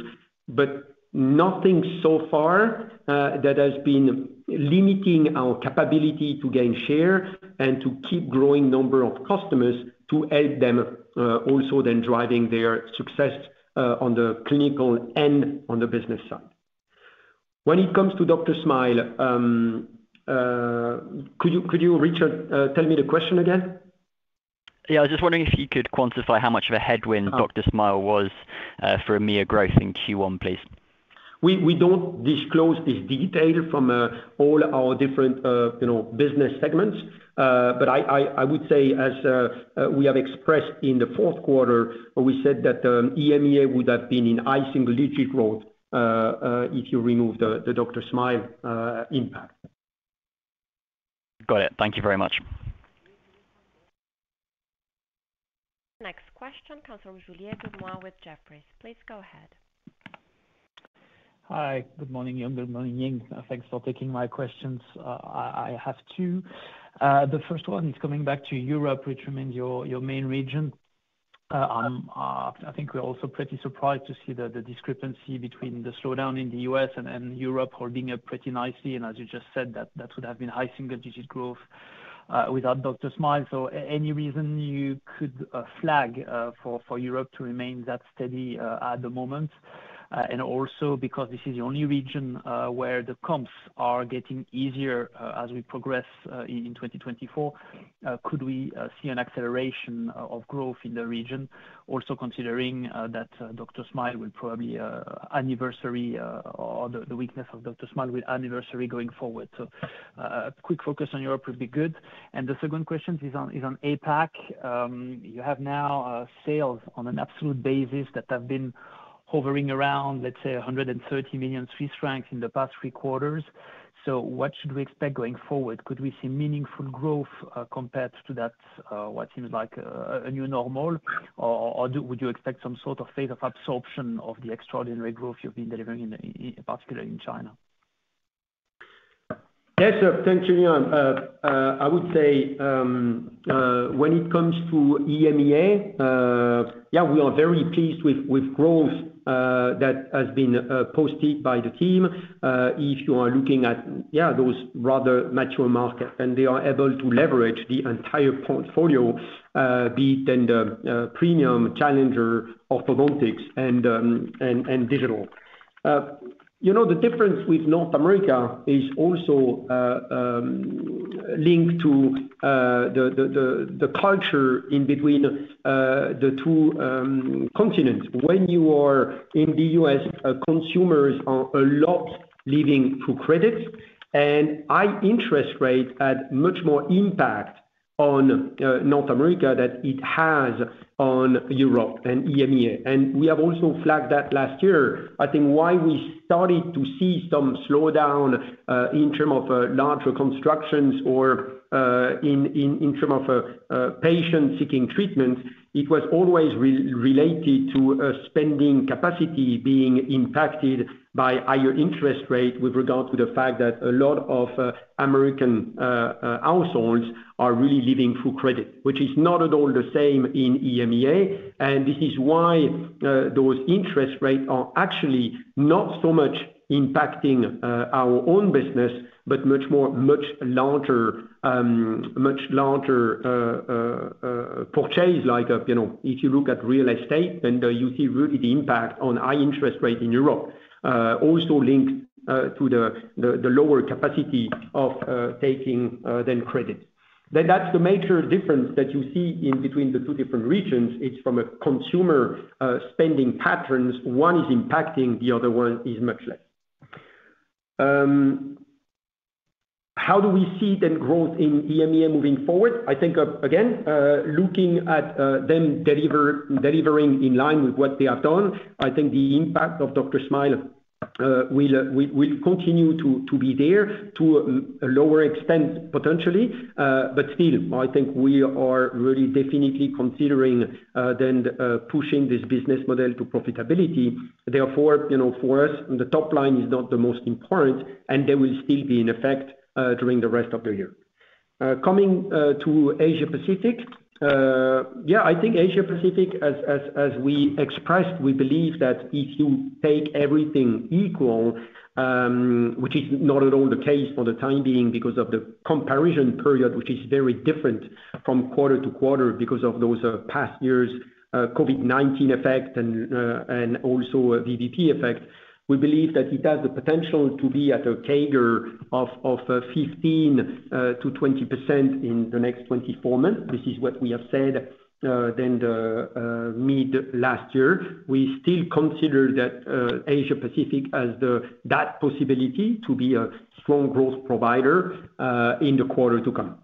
but nothing so far, that has been limiting our capability to gain share and to keep growing number of customers to help them, also then driving their success, on the clinical and on the business side. When it comes to DrSmile, could you, Richard, tell me the question again? Yeah, I was just wondering if you could quantify how much of a headwind DrSmile was for EMEA growth in Q1, please? We don't disclose this detail from all our different, you know, business segments. But I would say, as we have expressed in the fourth quarter, we said that EMEA would have been in high single digit growth, if you remove the DrSmile impact. Got it. Thank you very much. Next question comes from Julien Dormois with Jefferies. Please go ahead. Hi. Good morning, Guillaume. Good morning, Yang. Thanks for taking my questions. I have two. The first one is coming back to Europe, which remains your main region. I think we're also pretty surprised to see the discrepancy between the slowdown in the U.S. and Europe holding up pretty nicely. And as you just said, that would have been high single digit growth without DrSmile. So any reason you could flag for Europe to remain that steady at the moment? And also because this is the only region where the comps are getting easier as we progress in 2024, could we see an acceleration of growth in the region? Also considering that DrSmile will probably anniversary or the weakness of DrSmile will anniversary going forward. So a quick focus on Europe would be good. And the second question is on is on APAC. You have now sales on an absolute basis that have been hovering around, let's say, 130 million Swiss francs in the past three quarters. So what should we expect going forward? Could we see meaningful growth compared to that what seems like a new normal? Or would you expect some sort of phase of absorption of the extraordinary growth you've been delivering in particular in China? Yes, sir. Thanks, Julien. I would say when it comes to EMEA, yeah, we are very pleased with growth that has been posted by the team. If you are looking at those rather mature markets, and they are able to leverage the entire portfolio, be it in the premium, challenger, orthodontics, and digital. You know, the difference with North America is also linked to the culture in between the two continents. When you are in the US, consumers are a lot living through credits, and high interest rates had much more impact on North America than it has on Europe and EMEA. We have also flagged that last year. I think why we started to see some slowdown in term of larger constructions or in term of patient seeking treatment, it was always related to a spending capacity being impacted by higher interest rate, with regard to the fact that a lot of American households are really living through credit, which is not at all the same in EMEA. And this is why those interest rates are actually not so much impacting our own business, but much more much larger much larger purchase. Like, you know, if you look at real estate, then you see really the impact on high interest rates in Europe, also linked to the lower capacity of taking then credit. Then that's the major difference that you see in between the two different regions. It's from a consumer spending patterns. One is impacting, the other one is much less. How do we see the growth in EMEA moving forward? I think, again, looking at them delivering in line with what they have done, I think the impact of DrSmile will continue to be there to a lower extent, potentially. But still, I think we are really definitely considering then pushing this business model to profitability. Therefore, you know, for us, the top line is not the most important, and they will still be in effect during the rest of the year. Coming to Asia Pacific, yeah, I think Asia Pacific, as we expressed, we believe that if you take everything equal, which is not at all the case for the time being because of the comparison period, which is very different from quarter to quarter, because of those past years, COVID-19 effect and also VBP effect, we believe that it has the potential to be at a CAGR of 15%-20% in the next 24 months. This is what we have said then the mid last year. We still consider that Asia Pacific as the that possibility to be a strong growth provider in the quarter to come.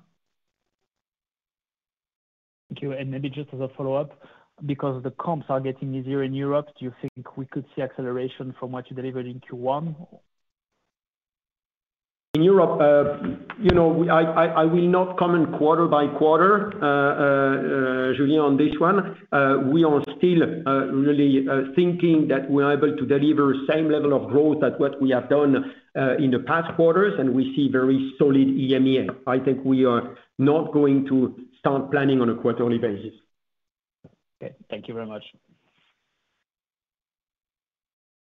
Thank you. Maybe just as a follow-up, because the comps are getting easier in Europe, do you think we could see acceleration from what you delivered in Q1? In Europe, you know, we will not comment quarter by quarter, Julien, on this one. We are still really thinking that we're able to deliver same level of growth as what we have done in the past quarters, and we see very solid EMEA. I think we are not going to start planning on a quarterly basis. Okay. Thank you very much.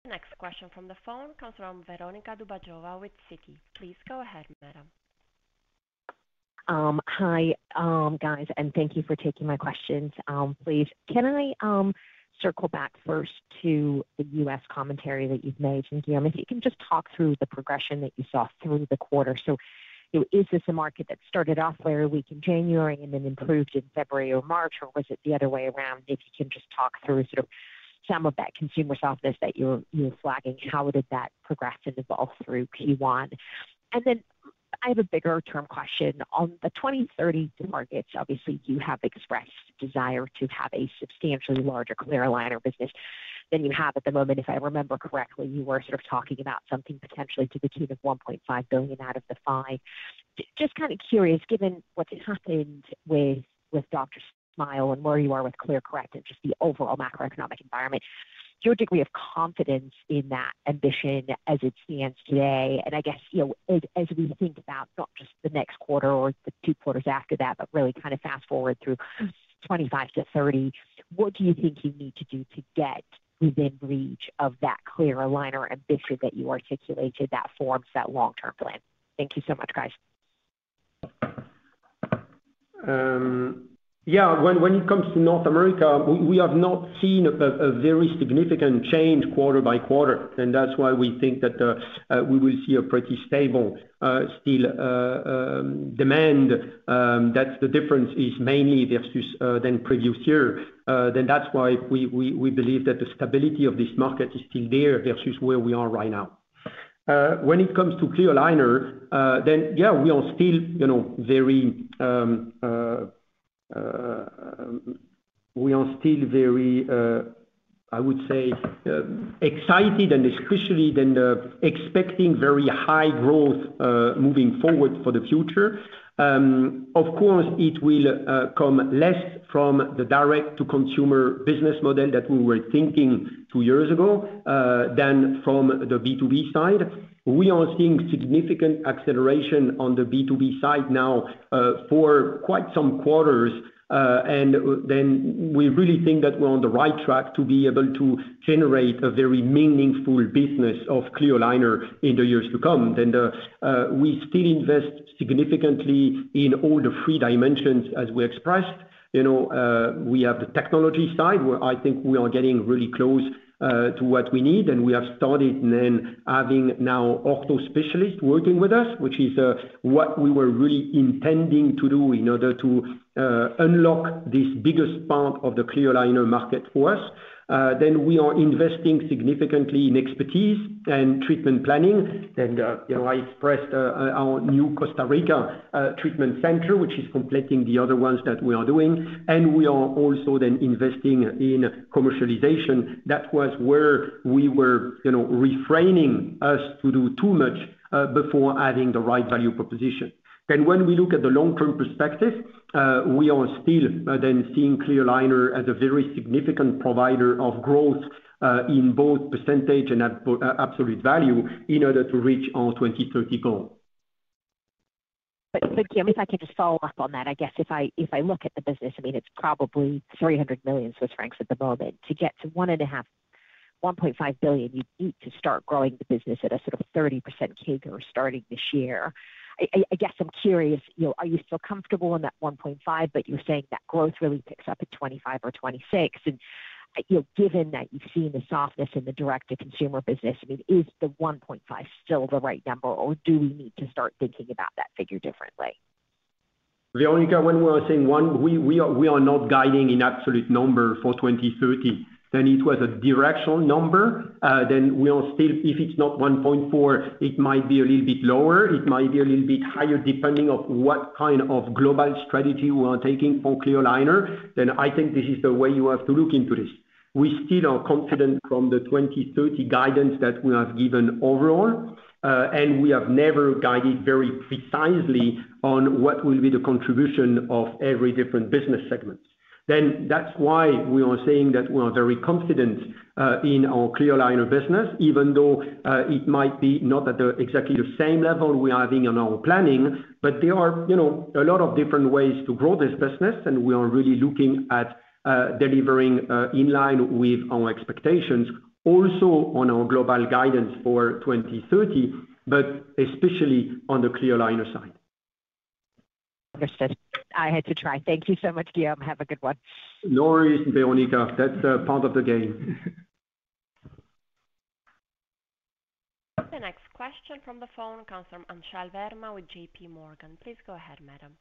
Next question from the phone comes from Veronika Dubajova with Citi. Please go ahead, madam. Hi, guys, and thank you for taking my questions. Please, can I circle back first to the U.S. commentary that you've made? And, Guillaume, if you can just talk through the progression that you saw through the quarter. So, you know, is this a market that started off very weak in January and then improved in February or March, or was it the other way around? If you can just talk through sort of some of that consumer softness that you're flagging, how did that progress and evolve through Q1? And then I have a bigger term question. On the 2030 markets, obviously, you have expressed desire to have a substantially larger clear aligner business than you have at the moment. If I remember correctly, you were sort of talking about something potentially to the tune of 1.5 billion out of the CHF five. Just kind of curious, given what's happened with, with DrSmile and where you are with ClearCorrect and just the overall macroeconomic environment, your degree of confidence in that ambition as it stands today, and I guess, you know, as, as we think about not just the next quarter or the two quarters after that, but really kind of fast-forward through 2025-2030, what do you think you need to do to get within reach of that clear aligner ambition that you articulated that forms that long-term plan? Thank you so much, guys. Yeah, when it comes to North America, we have not seen a very significant change quarter by quarter, and that's why we think that we will see a pretty stable still demand. That's the difference is mainly versus than previous year. Then that's why we believe that the stability of this market is still there versus where we are right now. When it comes to clear aligner, then, yeah, we are still, you know, very, we are still very, I would say, excited and especially than the expecting very high growth, moving forward for the future. Of course, it will come less from the direct-to-consumer business model that we were thinking two years ago than from the B2B side. We are seeing significant acceleration on the B2B side now, for quite some quarters. And then we really think that we're on the right track to be able to generate a very meaningful business of clear aligner in the years to come. Then we still invest significantly in all the three dimensions as we expressed. You know, we have the technology side, where I think we are getting really close to what we need, and we have started then having now ortho specialists working with us, which is what we were really intending to do in order to unlock this biggest part of the clear aligner market for us. Then we are investing significantly in expertise and treatment planning. You know, I expressed our new Costa Rica treatment center, which is completing the other ones that we are doing. We are also then investing in commercialization. That was where we were, you know, refraining us to do too much before adding the right value proposition. Then when we look at the long-term perspective, we are still then seeing clear aligner as a very significant provider of growth in both percentage and absolute value in order to reach our 2030 goal. But, Guillaume, if I could just follow up on that. I guess if I look at the business, I mean, it's probably 300 million Swiss francs at the moment. To get to 1.5 billion, you'd need to start growing the business at a sort of 30% CAGR starting this year. I guess I'm curious, you know, are you still comfortable in that 1.5, but you're saying that growth really picks up at 2025 or 2026? And, you know, given that you've seen the softness in the direct-to-consumer business, I mean, is the 1.5 still the right number, or do we need to start thinking about that figure differently? Veronica, when we are saying one, we are not guiding in absolute number for 2030, then it was a directional number, then we are still if it's not 1.4, it might be a little bit lower, it might be a little bit higher, depending on what kind of global strategy we are taking for clear aligner. I think this is the way you have to look into this. We still are confident from the 2030 guidance that we have given overall, and we have never guided very precisely on what will be the contribution of every different business segments. Then that's why we are saying that we are very confident in our clear aligner business, even though it might be not at the exactly the same level we are having in our planning, but there are, you know, a lot of different ways to grow this business, and we are really looking at delivering in line with our expectations, also on our global guidance for 2030, but especially on the clear aligner side. Understood. I had to try. Thank you so much, Guillaume. Have a good one. No worries, Veronica. That's part of the game. The next question from the phone comes from Anchal Verma with JPMorgan. Please go ahead, madam.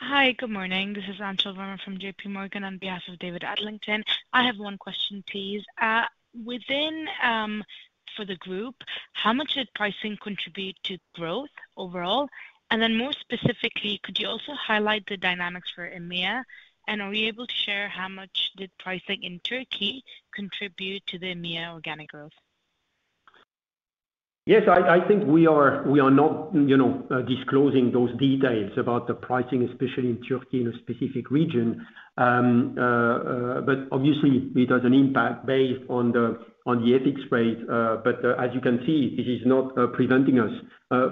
Hi, good morning. This is Anchal Verma from JPMorgan, on behalf of David Adlington. I have one question, please. Within, clear for the group, how much did pricing contribute to growth overall? More specifically, could you also highlight the dynamics for EMEA? Are we able to share how much did pricing in Turkey contribute to the EMEA organic growth? Yes, I think we are not, you know, disclosing those details about the pricing, especially in Turkey, in a specific region. But obviously it has an impact based on the FX rate. But as you can see, it is not preventing us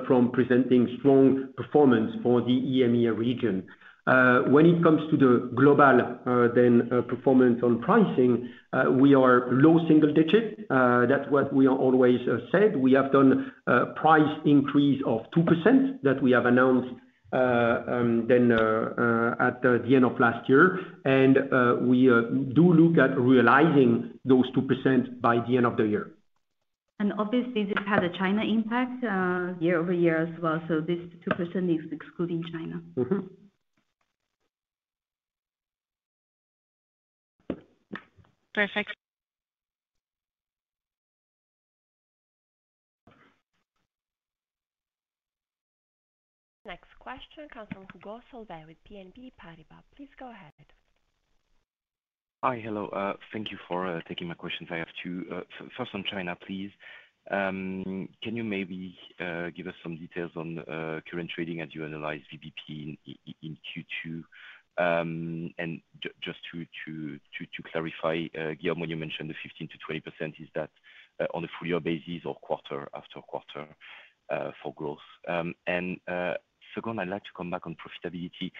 from presenting strong performance for the EMEA region. When it comes to the global performance on pricing, we are low single digit. That's what we are always said. We have done a price increase of 2% that we have announced, then at the end of last year. And we do look at realizing those 2% by the end of the year. Obviously, this had a China impact year-over-year as well, so this 2% is excluding China. Mm-hmm. Perfect. Next question comes from Hugo Solvet with BNP Paribas. Please go ahead. Hi. Hello, thank you for taking my questions. I have two. First on China, please. Can you maybe give us some details on current trading as you analyze VBP in Q2? And just to clarify, Guillaume, when you mentioned the 15%-20%, is that on a full year basis or quarter after quarter for growth? And second, I'd like to come back on profitability.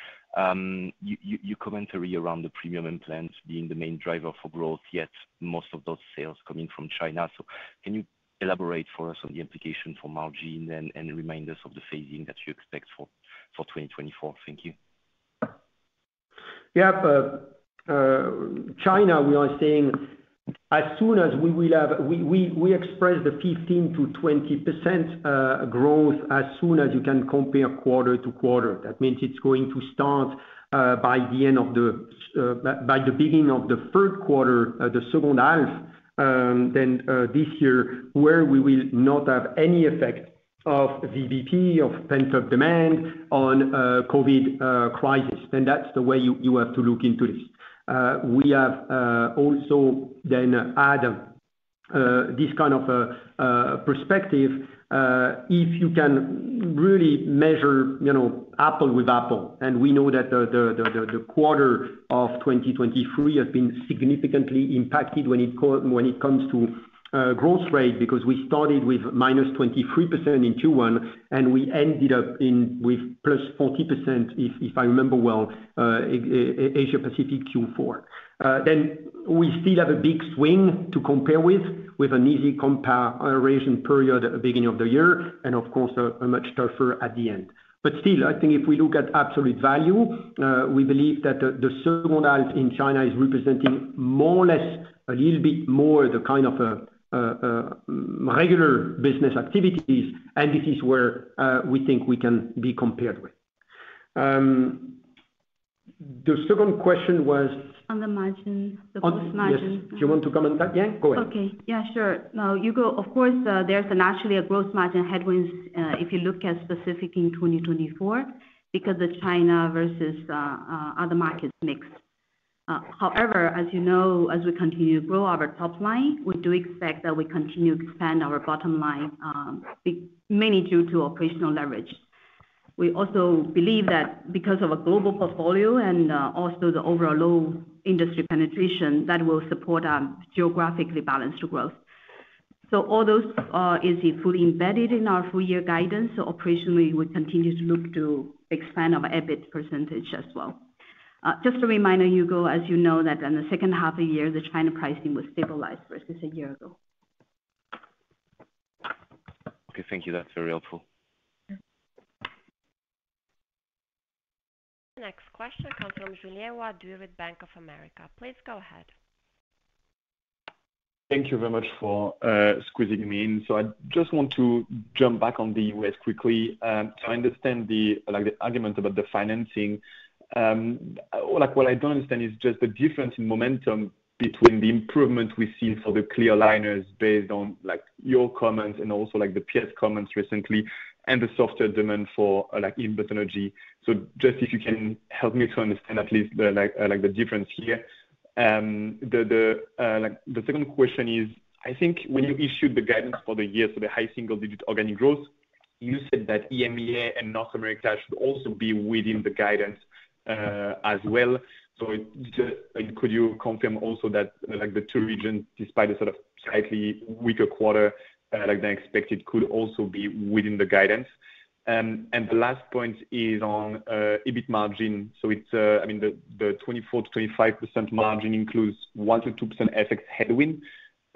Your commentary around the premium implants being the main driver for growth, yet most of those sales coming from China. So can you elaborate for us on the implication for margin and remind us of the phasing that you expect for 2024? Thank you. Yeah. China, we are saying as soon as we will have... We express the 15%-20% growth as soon as you can compare quarter to quarter. That means it's going to start by the beginning of the third quarter, the second half, then this year, where we will not have any effect of VBP, of pent-up demand on COVID crisis. Then that's the way you have to look into this. We have also then add this kind of perspective, if you can really measure, you know, apple with apple, and we know that the quarter of 2023 has been significantly impacted when it comes to growth rate, because we started with -23% in Q1, and we ended up with +40%, if I remember well, Asia Pacific Q4. Then we still have a big swing to compare with, with an easy compare iteration period at the beginning of the year, and of course, a much tougher at the end. But still, I think if we look at absolute value, we believe that the second half in China is representing more or less a little bit more the kind of regular business activities, and this is where we think we can be compared with. The second question was? On the margin, the gross margin. Yes. Do you want to comment on that, Yang? Go ahead. Okay. Yeah, sure. Now, Hugo, of course, there's naturally a gross margin headwinds, if you look at specific in 2024, because the China versus other markets mix. However, as you know, as we continue to grow our top line, we do expect that we continue to expand our bottom line, mainly due to operational leverage. We also believe that because of a global portfolio and also the overall low industry penetration, that will support our geographically balanced growth. So all those are easily fully embedded in our full year guidance. So operationally, we continue to look to expand our EBIT percentage as well. Just a reminder, Hugo, as you know, that in the second half of the year, the China pricing will stabilize versus a year ago. Okay. Thank you. That's very helpful. Yeah. Next question comes from Julien Ouaddour with Bank of America. Please go ahead. Thank you very much for squeezing me in. So I just want to jump back on the U.S quickly. So I understand the, like, the argument about the financing. Like, what I don't understand is just the difference in momentum between the improvement we've seen for the clear aligners based on, like, your comments and also like the peers' comments recently, and the softer demand for, like, Invisalign. So just if you can help me to understand at least the, like, the difference here. The second question is, I think when you issued the guidance for the year, for the high single digit organic growth, you said that EMEA and North America should also be within the guidance, as well. So, could you confirm also that, like, the two regions, despite a sort of slightly weaker quarter, like, than expected, could also be within the guidance? And the last point is on EBIT margin. So it's, I mean, the 24%-25% margin includes 1%-2% FX headwind.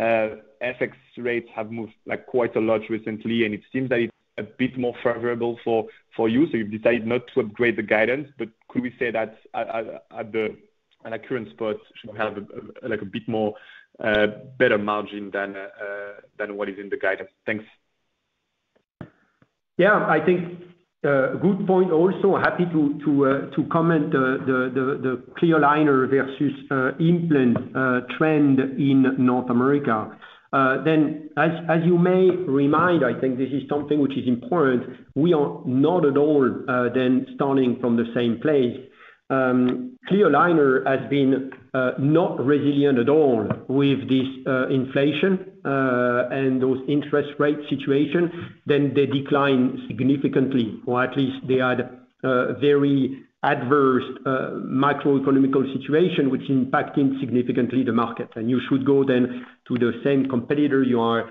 FX rates have moved, like, quite a lot recently, and it seems that it's a bit more favorable for you, so you've decided not to upgrade the guidance. But could we say that at current spot, should have, like, a bit more better margin than what is in the guidance? Thanks. Yeah, I think, good point also. Happy to comment the clear aligner versus implant trend in North America. As you may remind, I think this is something which is important, we are not at all starting from the same place. clear aligner has been not resilient at all with this inflation and those interest rate situation, then they decline significantly, or at least they had a very adverse macroeconomic situation, which impacted significantly the market. And you should go then to the same competitor you are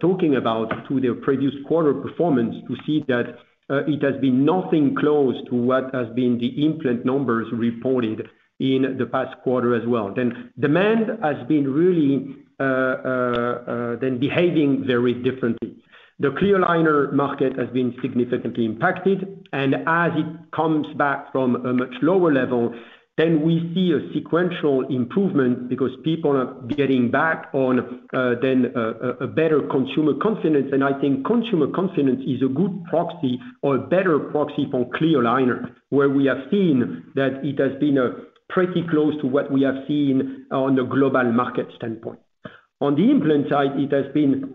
talking about to their previous quarter performance to see that, it has been nothing close to what has been the implant numbers reported in the past quarter as well. Then demand has been really then behaving very differently. The clear aligner market has been significantly impacted, and as it comes back from a much lower level, then we see a sequential improvement because people are getting back on to a better consumer confidence. And I think consumer confidence is a good proxy or a better proxy for clear aligner, where we have seen that it has been pretty close to what we have seen on the global market standpoint. On the implant side, it has been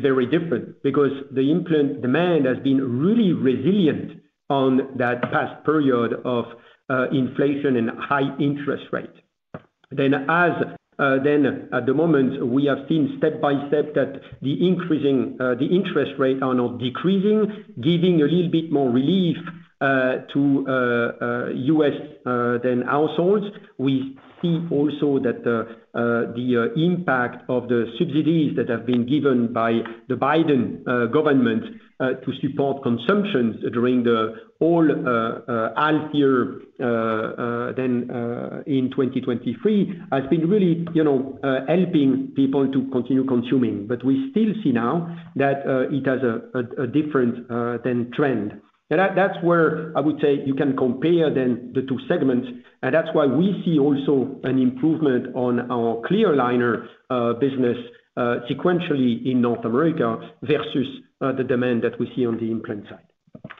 very different because the implant demand has been really resilient on that past period of inflation and high interest rate. Then as at the moment, we have seen step by step that the increasing interest rates are now decreasing, giving a little bit more relief to U.S. households. We see also that the impact of the subsidies that have been given by the Biden government to support consumption during the whole last year then in 2023 has been really, you know, helping people to continue consuming. But we still see now that it has a a a different then trend. And that, that's where I would say you can compare then the two segments, and that's why we see also an improvement on our clear aligner business sequentially in North America versus the demand that we see on the implant side.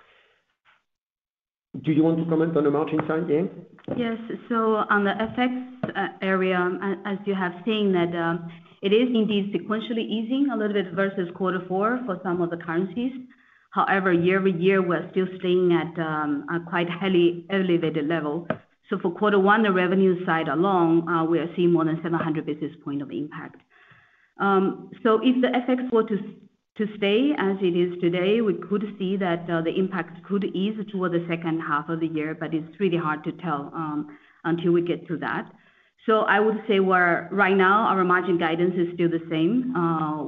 Do you want to comment on the margin side, Yang? Yes. So on the FX area, as you have seen, that it is indeed sequentially easing a little bit versus quarter four for some of the currencies. However, year-over-year, we're still staying at a quite highly elevated level. So for quarter one, the revenue side alone, we are seeing more than 700 basis point of impact. So if the FX were to stay as it is today, we could see that the impact could ease toward the second half of the year, but it's really hard to tell until we get to that. So I would say, right now, our margin guidance is still the same.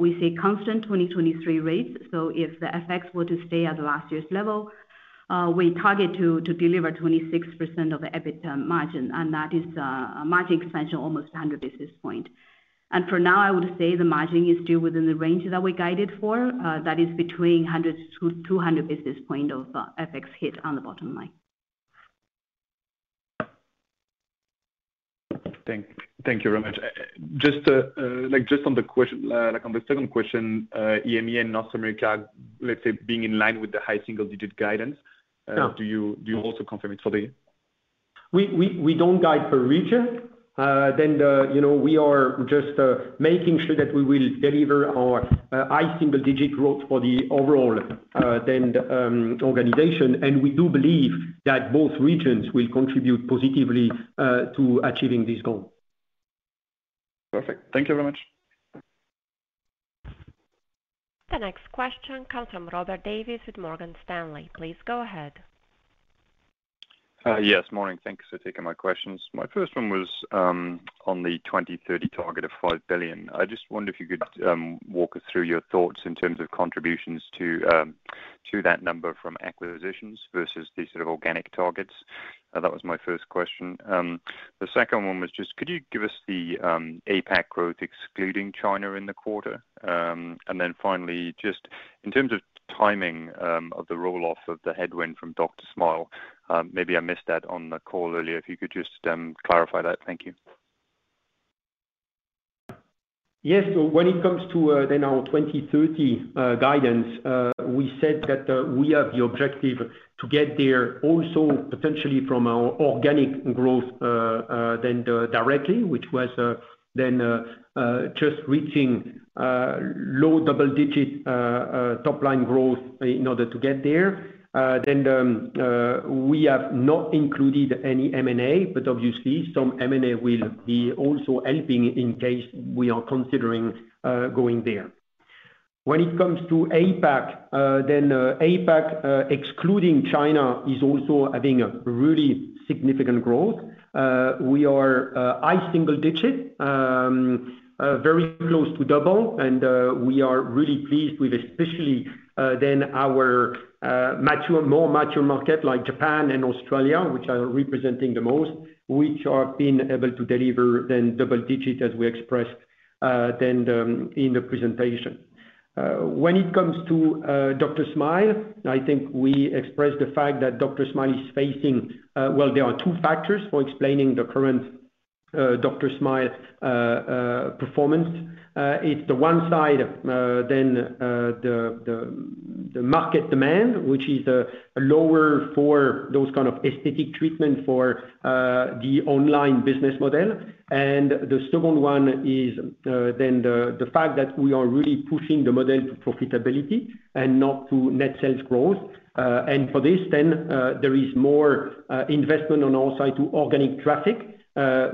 We say constant 2023 rates, so if the FX were to stay at last year's level, we target to, to deliver 26% of the EBITDA margin, and that is, a margin expansion, almost 100 basis points. For now, I would say the margin is still within the range that we guided for, that is between 100-200 basis points of FX hit on the bottom line. Thank you very much. Just, like, just on the second question, EMEA and North America, let's say, being in line with the high single digit guidance. Yeah. Do you also confirm it for the year? We don't guide per region. Then, you know, we are just making sure that we will deliver our high single digit growth for the overall organization, and we do believe that both regions will contribute positively to achieving this goal. Perfect. Thank you very much. The next question comes from Robert Davies with Morgan Stanley. Please go ahead. Yes, morning. Thanks for taking my questions. My first one was on the 2030 target of 5 billion. I just wonder if you could walk us through your thoughts in terms of contributions to that number from acquisitions versus the sort of organic targets. That was my first question. The second one was just could you give us the APAC growth, excluding China, in the quarter? And then finally, just in terms of timing of the roll-off of the headwind from DrSmile, maybe I missed that on the call earlier, if you could just clarify that. Thank you. Yes. So when it comes to then our 2030 guidance, we said that we have the objective to get there also potentially from our organic growth than the directly, which was then just reaching low double-digit top line growth in order to get there. Then we have not included any M&A, but obviously some M&A will be also helping in case we are considering going there. When it comes to APAC, then APAC excluding China is also having a really significant growth. We are high single-digit, very close to double-digit, and we are really pleased with especially then our mature, more mature markets like Japan and Australia, which are representing the most, which are being able to deliver then double-digit, as we expressed then in the presentation. When it comes to DrSmile, I think we expressed the fact that DrSmile is facing... Well, there are two factors for explaining the current DrSmile performance. It's the one side then the market demand, which is lower for those kind of aesthetic treatment for the online business model. And the second one is then the fact that we are really pushing the model to profitability and not to net sales growth. And for this then, there is more investment on our side to organic traffic,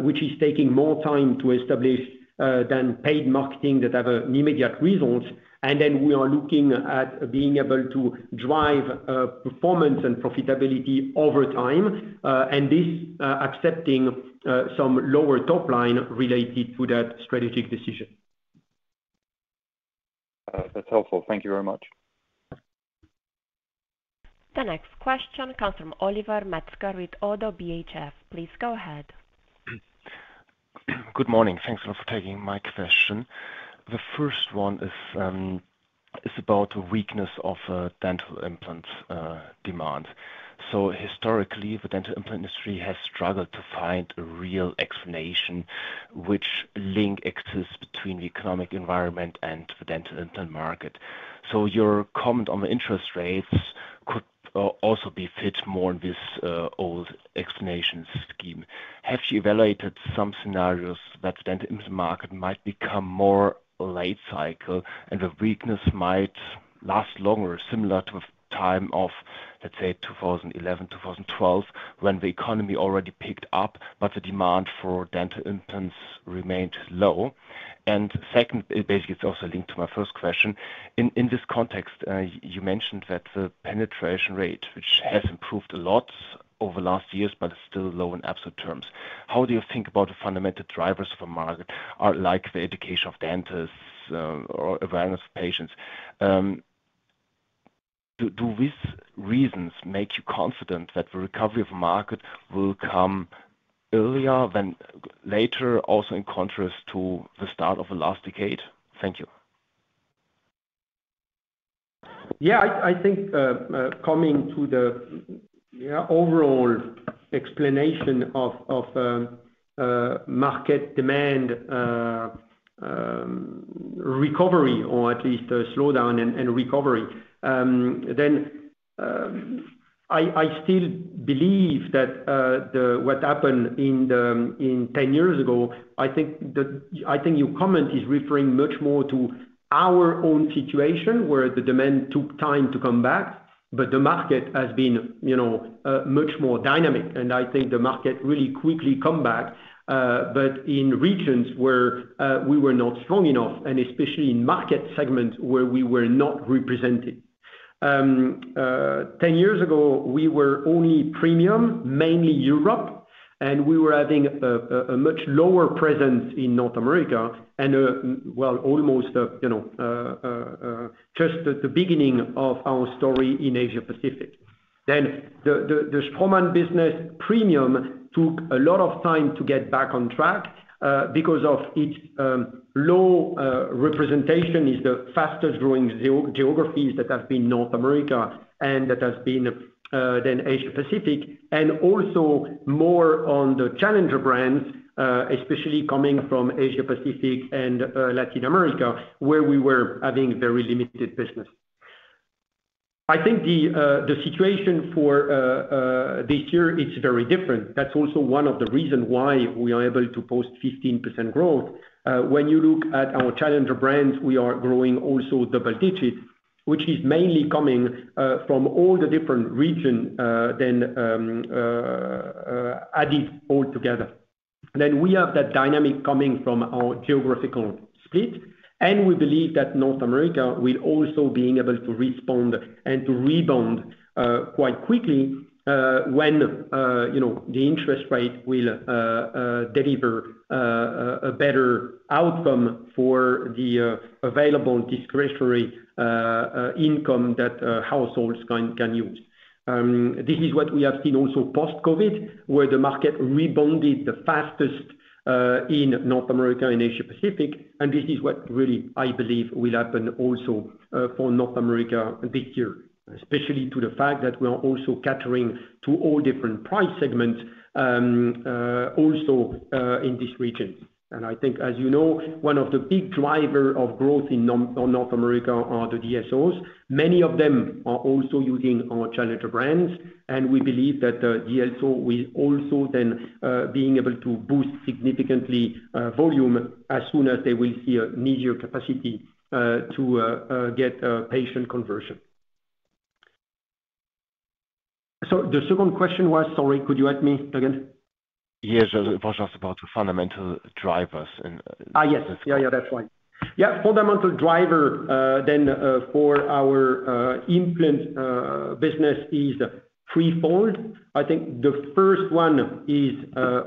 which is taking more time to establish than paid marketing that have immediate results. And then we are looking at being able to drive performance and profitability over time, and this accepting some lower top line related to that strategic decision. That's helpful. Thank you very much. The next question comes from Oliver Metzger with Oddo BHF. Please go ahead. Good morning. Thanks a lot for taking my question. The first one is about the weakness of dental implants demand. So historically, the dental implant industry has struggled to find a real explanation, which link exists between the economic environment and the dental implant market. So your comment on the interest rates could also be fit more in this old explanation scheme. Have you evaluated some scenarios that the dental implants market might become more late cycle, and the weakness might last longer, similar to a time of, let's say, 2011, 2012, when the economy already picked up, but the demand for dental implants remained low? And second, basically, it's also linked to my first question. In this context, you mentioned that the penetration rate, which has improved a lot over the last years, but is still low in absolute terms. How do you think about the fundamental drivers for market are like the education of dentists, or awareness of patients? Do these reasons make you confident that the recovery of market will come earlier than later, also in contrast to the start of the last decade? Thank you. Yeah, I think, coming to the, yeah, overall explanation of, of, market demand, recovery, or at least a slowdown and, and recovery, then, I still believe that, the-- what happened in the, in 10 years ago, I think the-- I think your comment is referring much more to our own situation, where the demand took time to come back, but the market has been, you know, much more dynamic, and I think the market really quickly come back, but in regions where, we were not strong enough, and especially in market segments where we were not represented. Ten years ago, we were only premium, mainly Europe, and we were having a much lower presence in North America and a, well, almost, you know, just at the beginning of our story in Asia Pacific. Then the Straumann business premium took a lot of time to get back on track, because of its low representation in the fastest-growing geographies that have been North America, and that has been, then Asia Pacific, and also more on the challenger brands, especially coming from Asia Pacific and, Latin America, where we were having very limited business. I think the situation for this year, it's very different. That's also one of the reason why we are able to post 15% growth. When you look at our challenger brands, we are growing also double digits, which is mainly coming from all the different regions then added all together. Then we have that dynamic coming from our geographical split, and we believe that North America will also being able to respond and to rebound quite quickly, when you know the interest rate will deliver a better outcome for the available discretionary income that households can use. This is what we have seen also post-COVID, where the market rebounded the fastest in North America and Asia Pacific, and this is what really I believe will happen also for North America this year, especially to the fact that we are also catering to all different price segments also in this region. And I think, as you know, one of the big driver of growth in North America are the DSOs. Many of them are also using our challenger brands, and we believe that, DSO will also then, being able to boost significantly, volume as soon as they will see a major capacity, to, get a patient conversion. So the second question was... Sorry, could you ask me again? Yes, it was just about the fundamental drivers in- Ah, yes. Yeah, yeah. That's fine. Yeah, fundamental driver then for our implant business is threefold. I think the first one is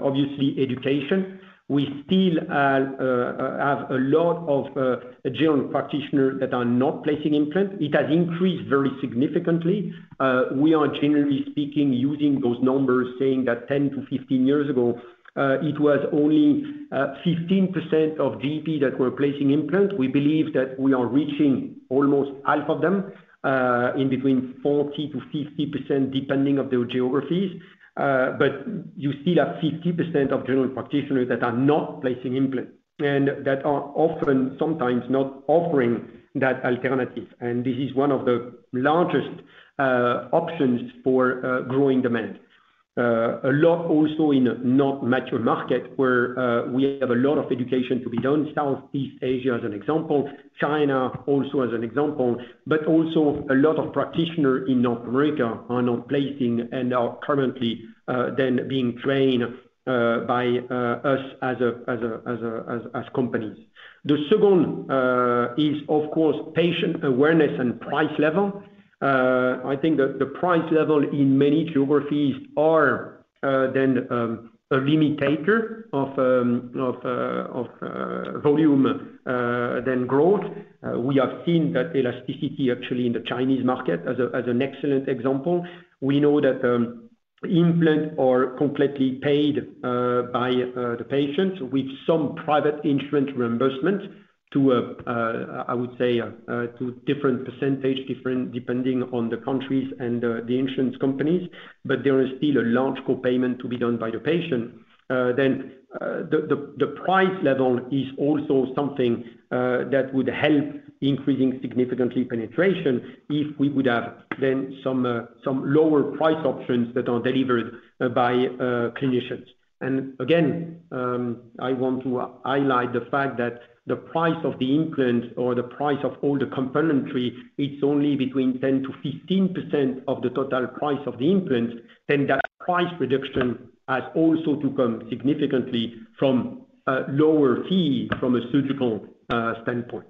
obviously education. We still have a lot of general practitioners that are not placing implants. It has increased very significantly. We are generally speaking using those numbers saying that 10-15 years ago it was only 15% of GP that were placing implants. We believe that we are reaching almost half of them in between 40%-50% depending of their geographies. But you still have 50% of general practitioners that are not placing implants and that are often sometimes not offering that alternative and this is one of the largest options for growing demand.... A lot also in not mature market, where we have a lot of education to be done. Southeast Asia, as an example, China also as an example, but also a lot of practitioner in North America are not placing and are currently then being trained by us as companies. The second is, of course, patient awareness and price level. I think the price level in many geographies are then a limiter of volume than growth. We have seen that elasticity actually in the Chinese market as an excellent example. We know that implant are completely paid by the patients with some private insurance reimbursement to, I would say, to different percentage, different depending on the countries and the insurance companies, but there is still a large co-payment to be done by the patient. Then the price level is also something that would help increasing significantly penetration if we would have then some lower price options that are delivered by clinicians. And again, I want to highlight the fact that the price of the implant or the price of all the componentry, it's only between 10%-15% of the total price of the implant, then that price reduction has also to come significantly from lower fee from a surgical standpoint,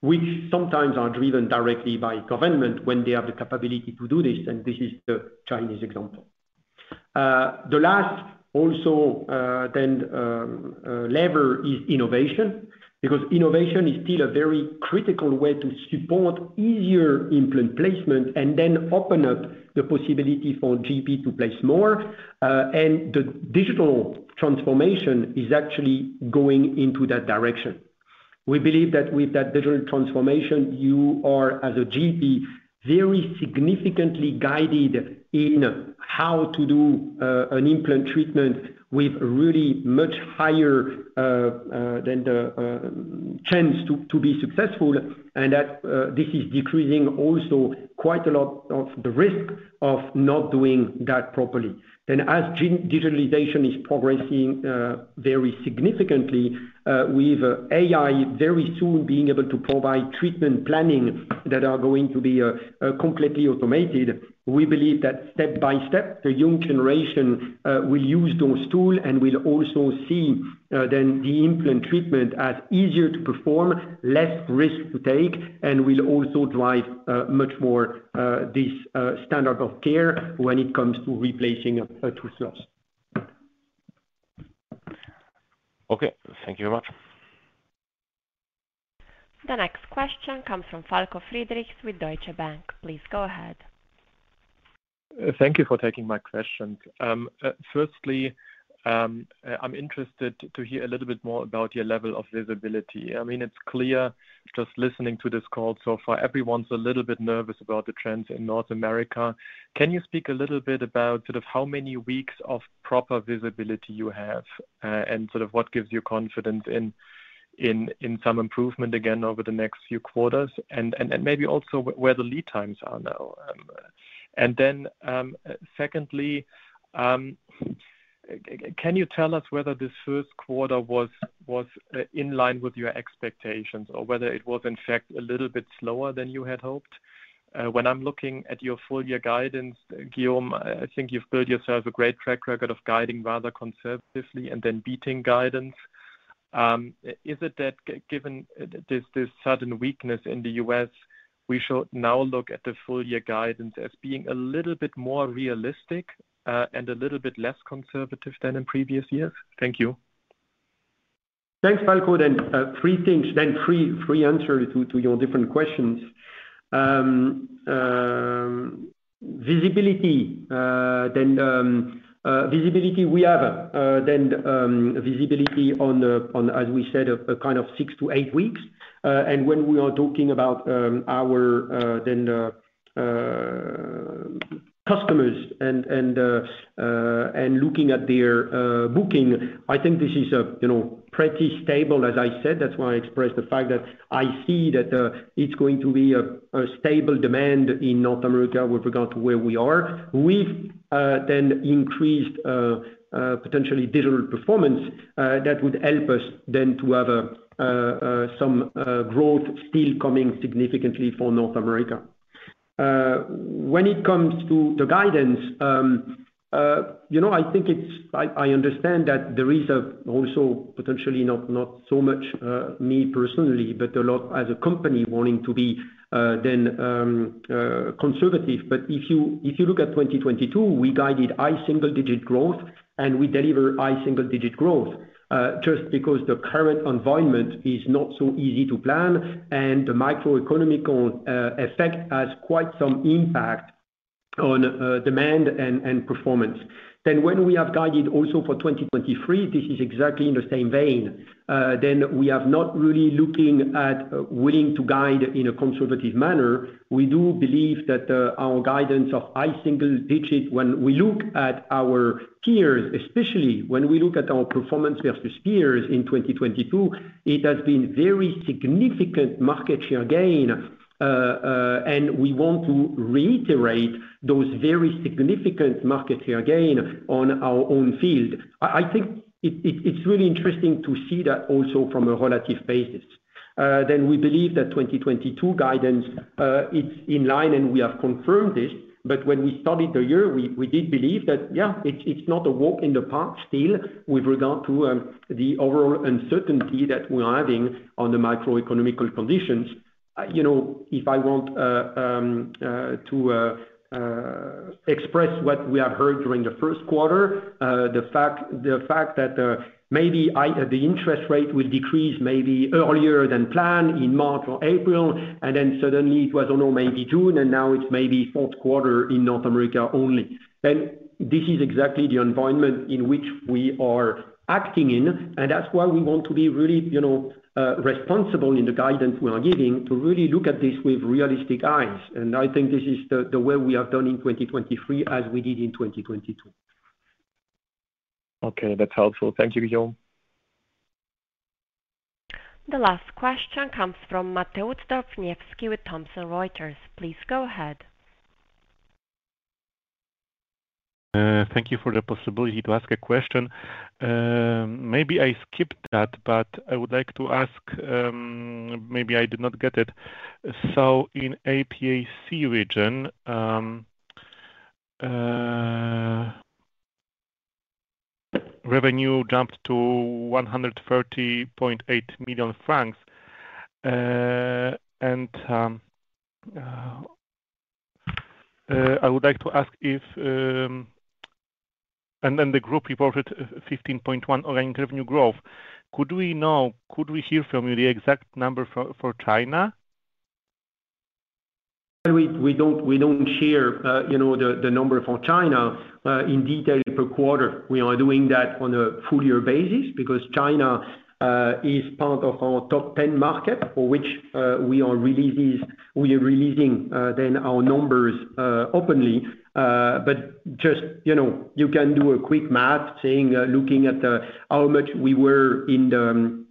which sometimes are driven directly by government when they have the capability to do this, and this is the Chinese example. The last also, then, lever is innovation, because innovation is still a very critical way to support easier implant placement and then open up the possibility for GP to place more, and the digital transformation is actually going into that direction. We believe that with that digital transformation, you are, as a GP, very significantly guided in how to do an implant treatment with really much higher than the chance to be successful, and that this is decreasing also quite a lot of the risk of not doing that properly. Then as digitalization is progressing very significantly with AI very soon being able to provide treatment planning that are going to be completely automated, we believe that step-by-step, the young generation will use those tool and will also see then the implant treatment as easier to perform, less risk to take, and will also drive much more this standard of care when it comes to replacing a tooth source. Okay, thank you very much. The next question comes from Falko Friedrichs with Deutsche Bank. Please go ahead. Thank you for taking my question. Firstly, I'm interested to hear a little bit more about your level of visibility. I mean, it's clear just listening to this call so far, everyone's a little bit nervous about the trends in North America. Can you speak a little bit about sort of how many weeks of proper visibility you have, and sort of what gives you confidence in some improvement again over the next few quarters? And then maybe also where the lead times are now. And then, secondly, can you tell us whether this first quarter was in line with your expectations or whether it was, in fact, a little bit slower than you had hoped? When I'm looking at your full-year guidance, Guillaume, I think you've built yourself a great track record of guiding rather conservatively and then beating guidance. Is it that given this, this sudden weakness in the U.S., we should now look at the full-year guidance as being a little bit more realistic, and a little bit less conservative than in previous years? Thank you. Thanks, Falko. Then, three things, three answers to your different questions. Visibility, visibility we have, visibility on the- on, as we said, a kind of six to eight weeks. And when we are talking about, our, customers and, and, looking at their, booking, I think this is a, you know, pretty stable, as I said, that's why I expressed the fact that I see that, it's going to be a, stable demand in North America with regard to where we are. We've, increased, potentially digital performance, that would help us then to have, some, growth still coming significantly for North America. When it comes to the guidance, you know, I think it's. I understand that there is also potentially not so much me personally, but a lot as a company wanting to be than conservative. But if you look at 2022, we guided high single digit growth, and we deliver high single digit growth, just because the current environment is not so easy to plan, and the macroeconomic effect has quite some impact on demand and performance. Then when we have guided also for 2023, this is exactly in the same vein. Then we have not really looking at willing to guide in a conservative manner. We do believe that our guidance of high single digit, when we look at our-... Peers, especially when we look at our performance versus peers in 2022, it has been very significant market share gain, and we want to reiterate those very significant market share gain on our own field. I, I think it, it, it's really interesting to see that also from a relative basis. Then we believe that 2022 guidance, it's in line, and we have confirmed this, but when we started the year, we, we did believe that, yeah, it's, it's not a walk in the park still, with regard to, the overall uncertainty that we are having on the macroeconomic conditions. You know, if I want to express what we have heard during the first quarter, the fact that maybe the interest rate will decrease maybe earlier than planned in March or April, and then suddenly it was, oh, no, maybe June, and now it's maybe fourth quarter in North America only. Then this is exactly the environment in which we are acting in, and that's why we want to be really, you know, responsible in the guidance we are giving, to really look at this with realistic eyes. And I think this is the way we have done in 2023, as we did in 2022. Okay, that's helpful. Thank you, Guillaume. The last question comes from Mateusz Dorfniewski with Thomson Reuters. Please go ahead. Thank you for the possibility to ask a question. Maybe I skipped that, but I would like to ask, maybe I did not get it. So in APAC region, revenue jumped to 130.8 million francs. And I would like to ask if... And then the group reported 15.1 organic revenue growth. Could we know, could we hear from you the exact number for, for China? We don't share, you know, the number for China in detail per quarter. We are doing that on a full year basis because China is part of our top 10 market for which we are releasing then our numbers openly. But just, you know, you can do a quick math, saying, looking at how much we were in the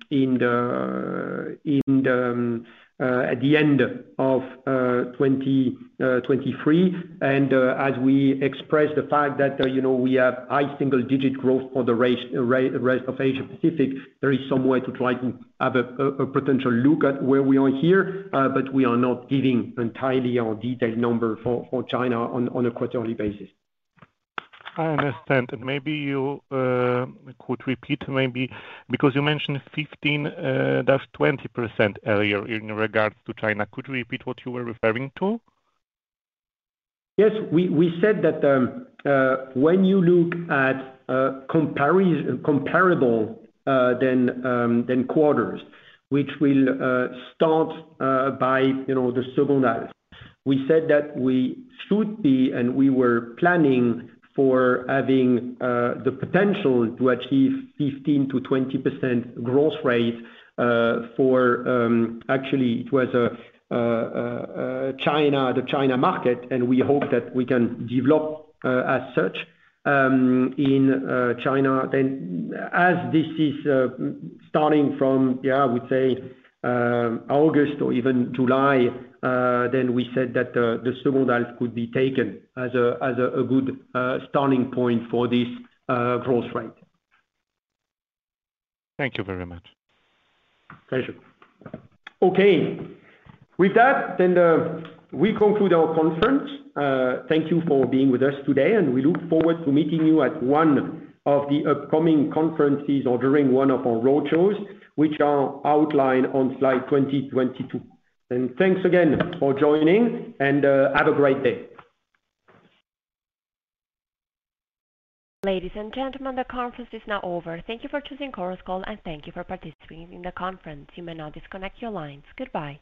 at the end of 2023. As we express the fact that, you know, we have high single-digit growth for the rest of Asia Pacific, there is some way to try to have a potential look at where we are here, but we are not giving entirely our detailed number for China on a quarterly basis. I understand. Maybe you could repeat maybe, because you mentioned 15, that's 20% earlier in regards to China. Could you repeat what you were referring to? Yes, we said that when you look at comparable than quarters, which will start by, you know, the second half. We said that we should be, and we were planning for having the potential to achieve 15%-20% growth rate for, actually it was China, the China market, and we hope that we can develop as such in China. Then as this is starting from, yeah, I would say, August or even July, then we said that the second half could be taken as a good starting point for this growth rate. Thank you very much. Pleasure. Okay, with that, then, we conclude our conference. Thank you for being with us today, and we look forward to meeting you at one of the upcoming conferences or during one of our roadshows, which are outlined on slide 22. Thanks again for joining, and have a great day. Ladies and gentlemen, the conference is now over. Thank you for choosing Chorus Call, and thank you for participating in the conference. You may now disconnect your lines. Goodbye.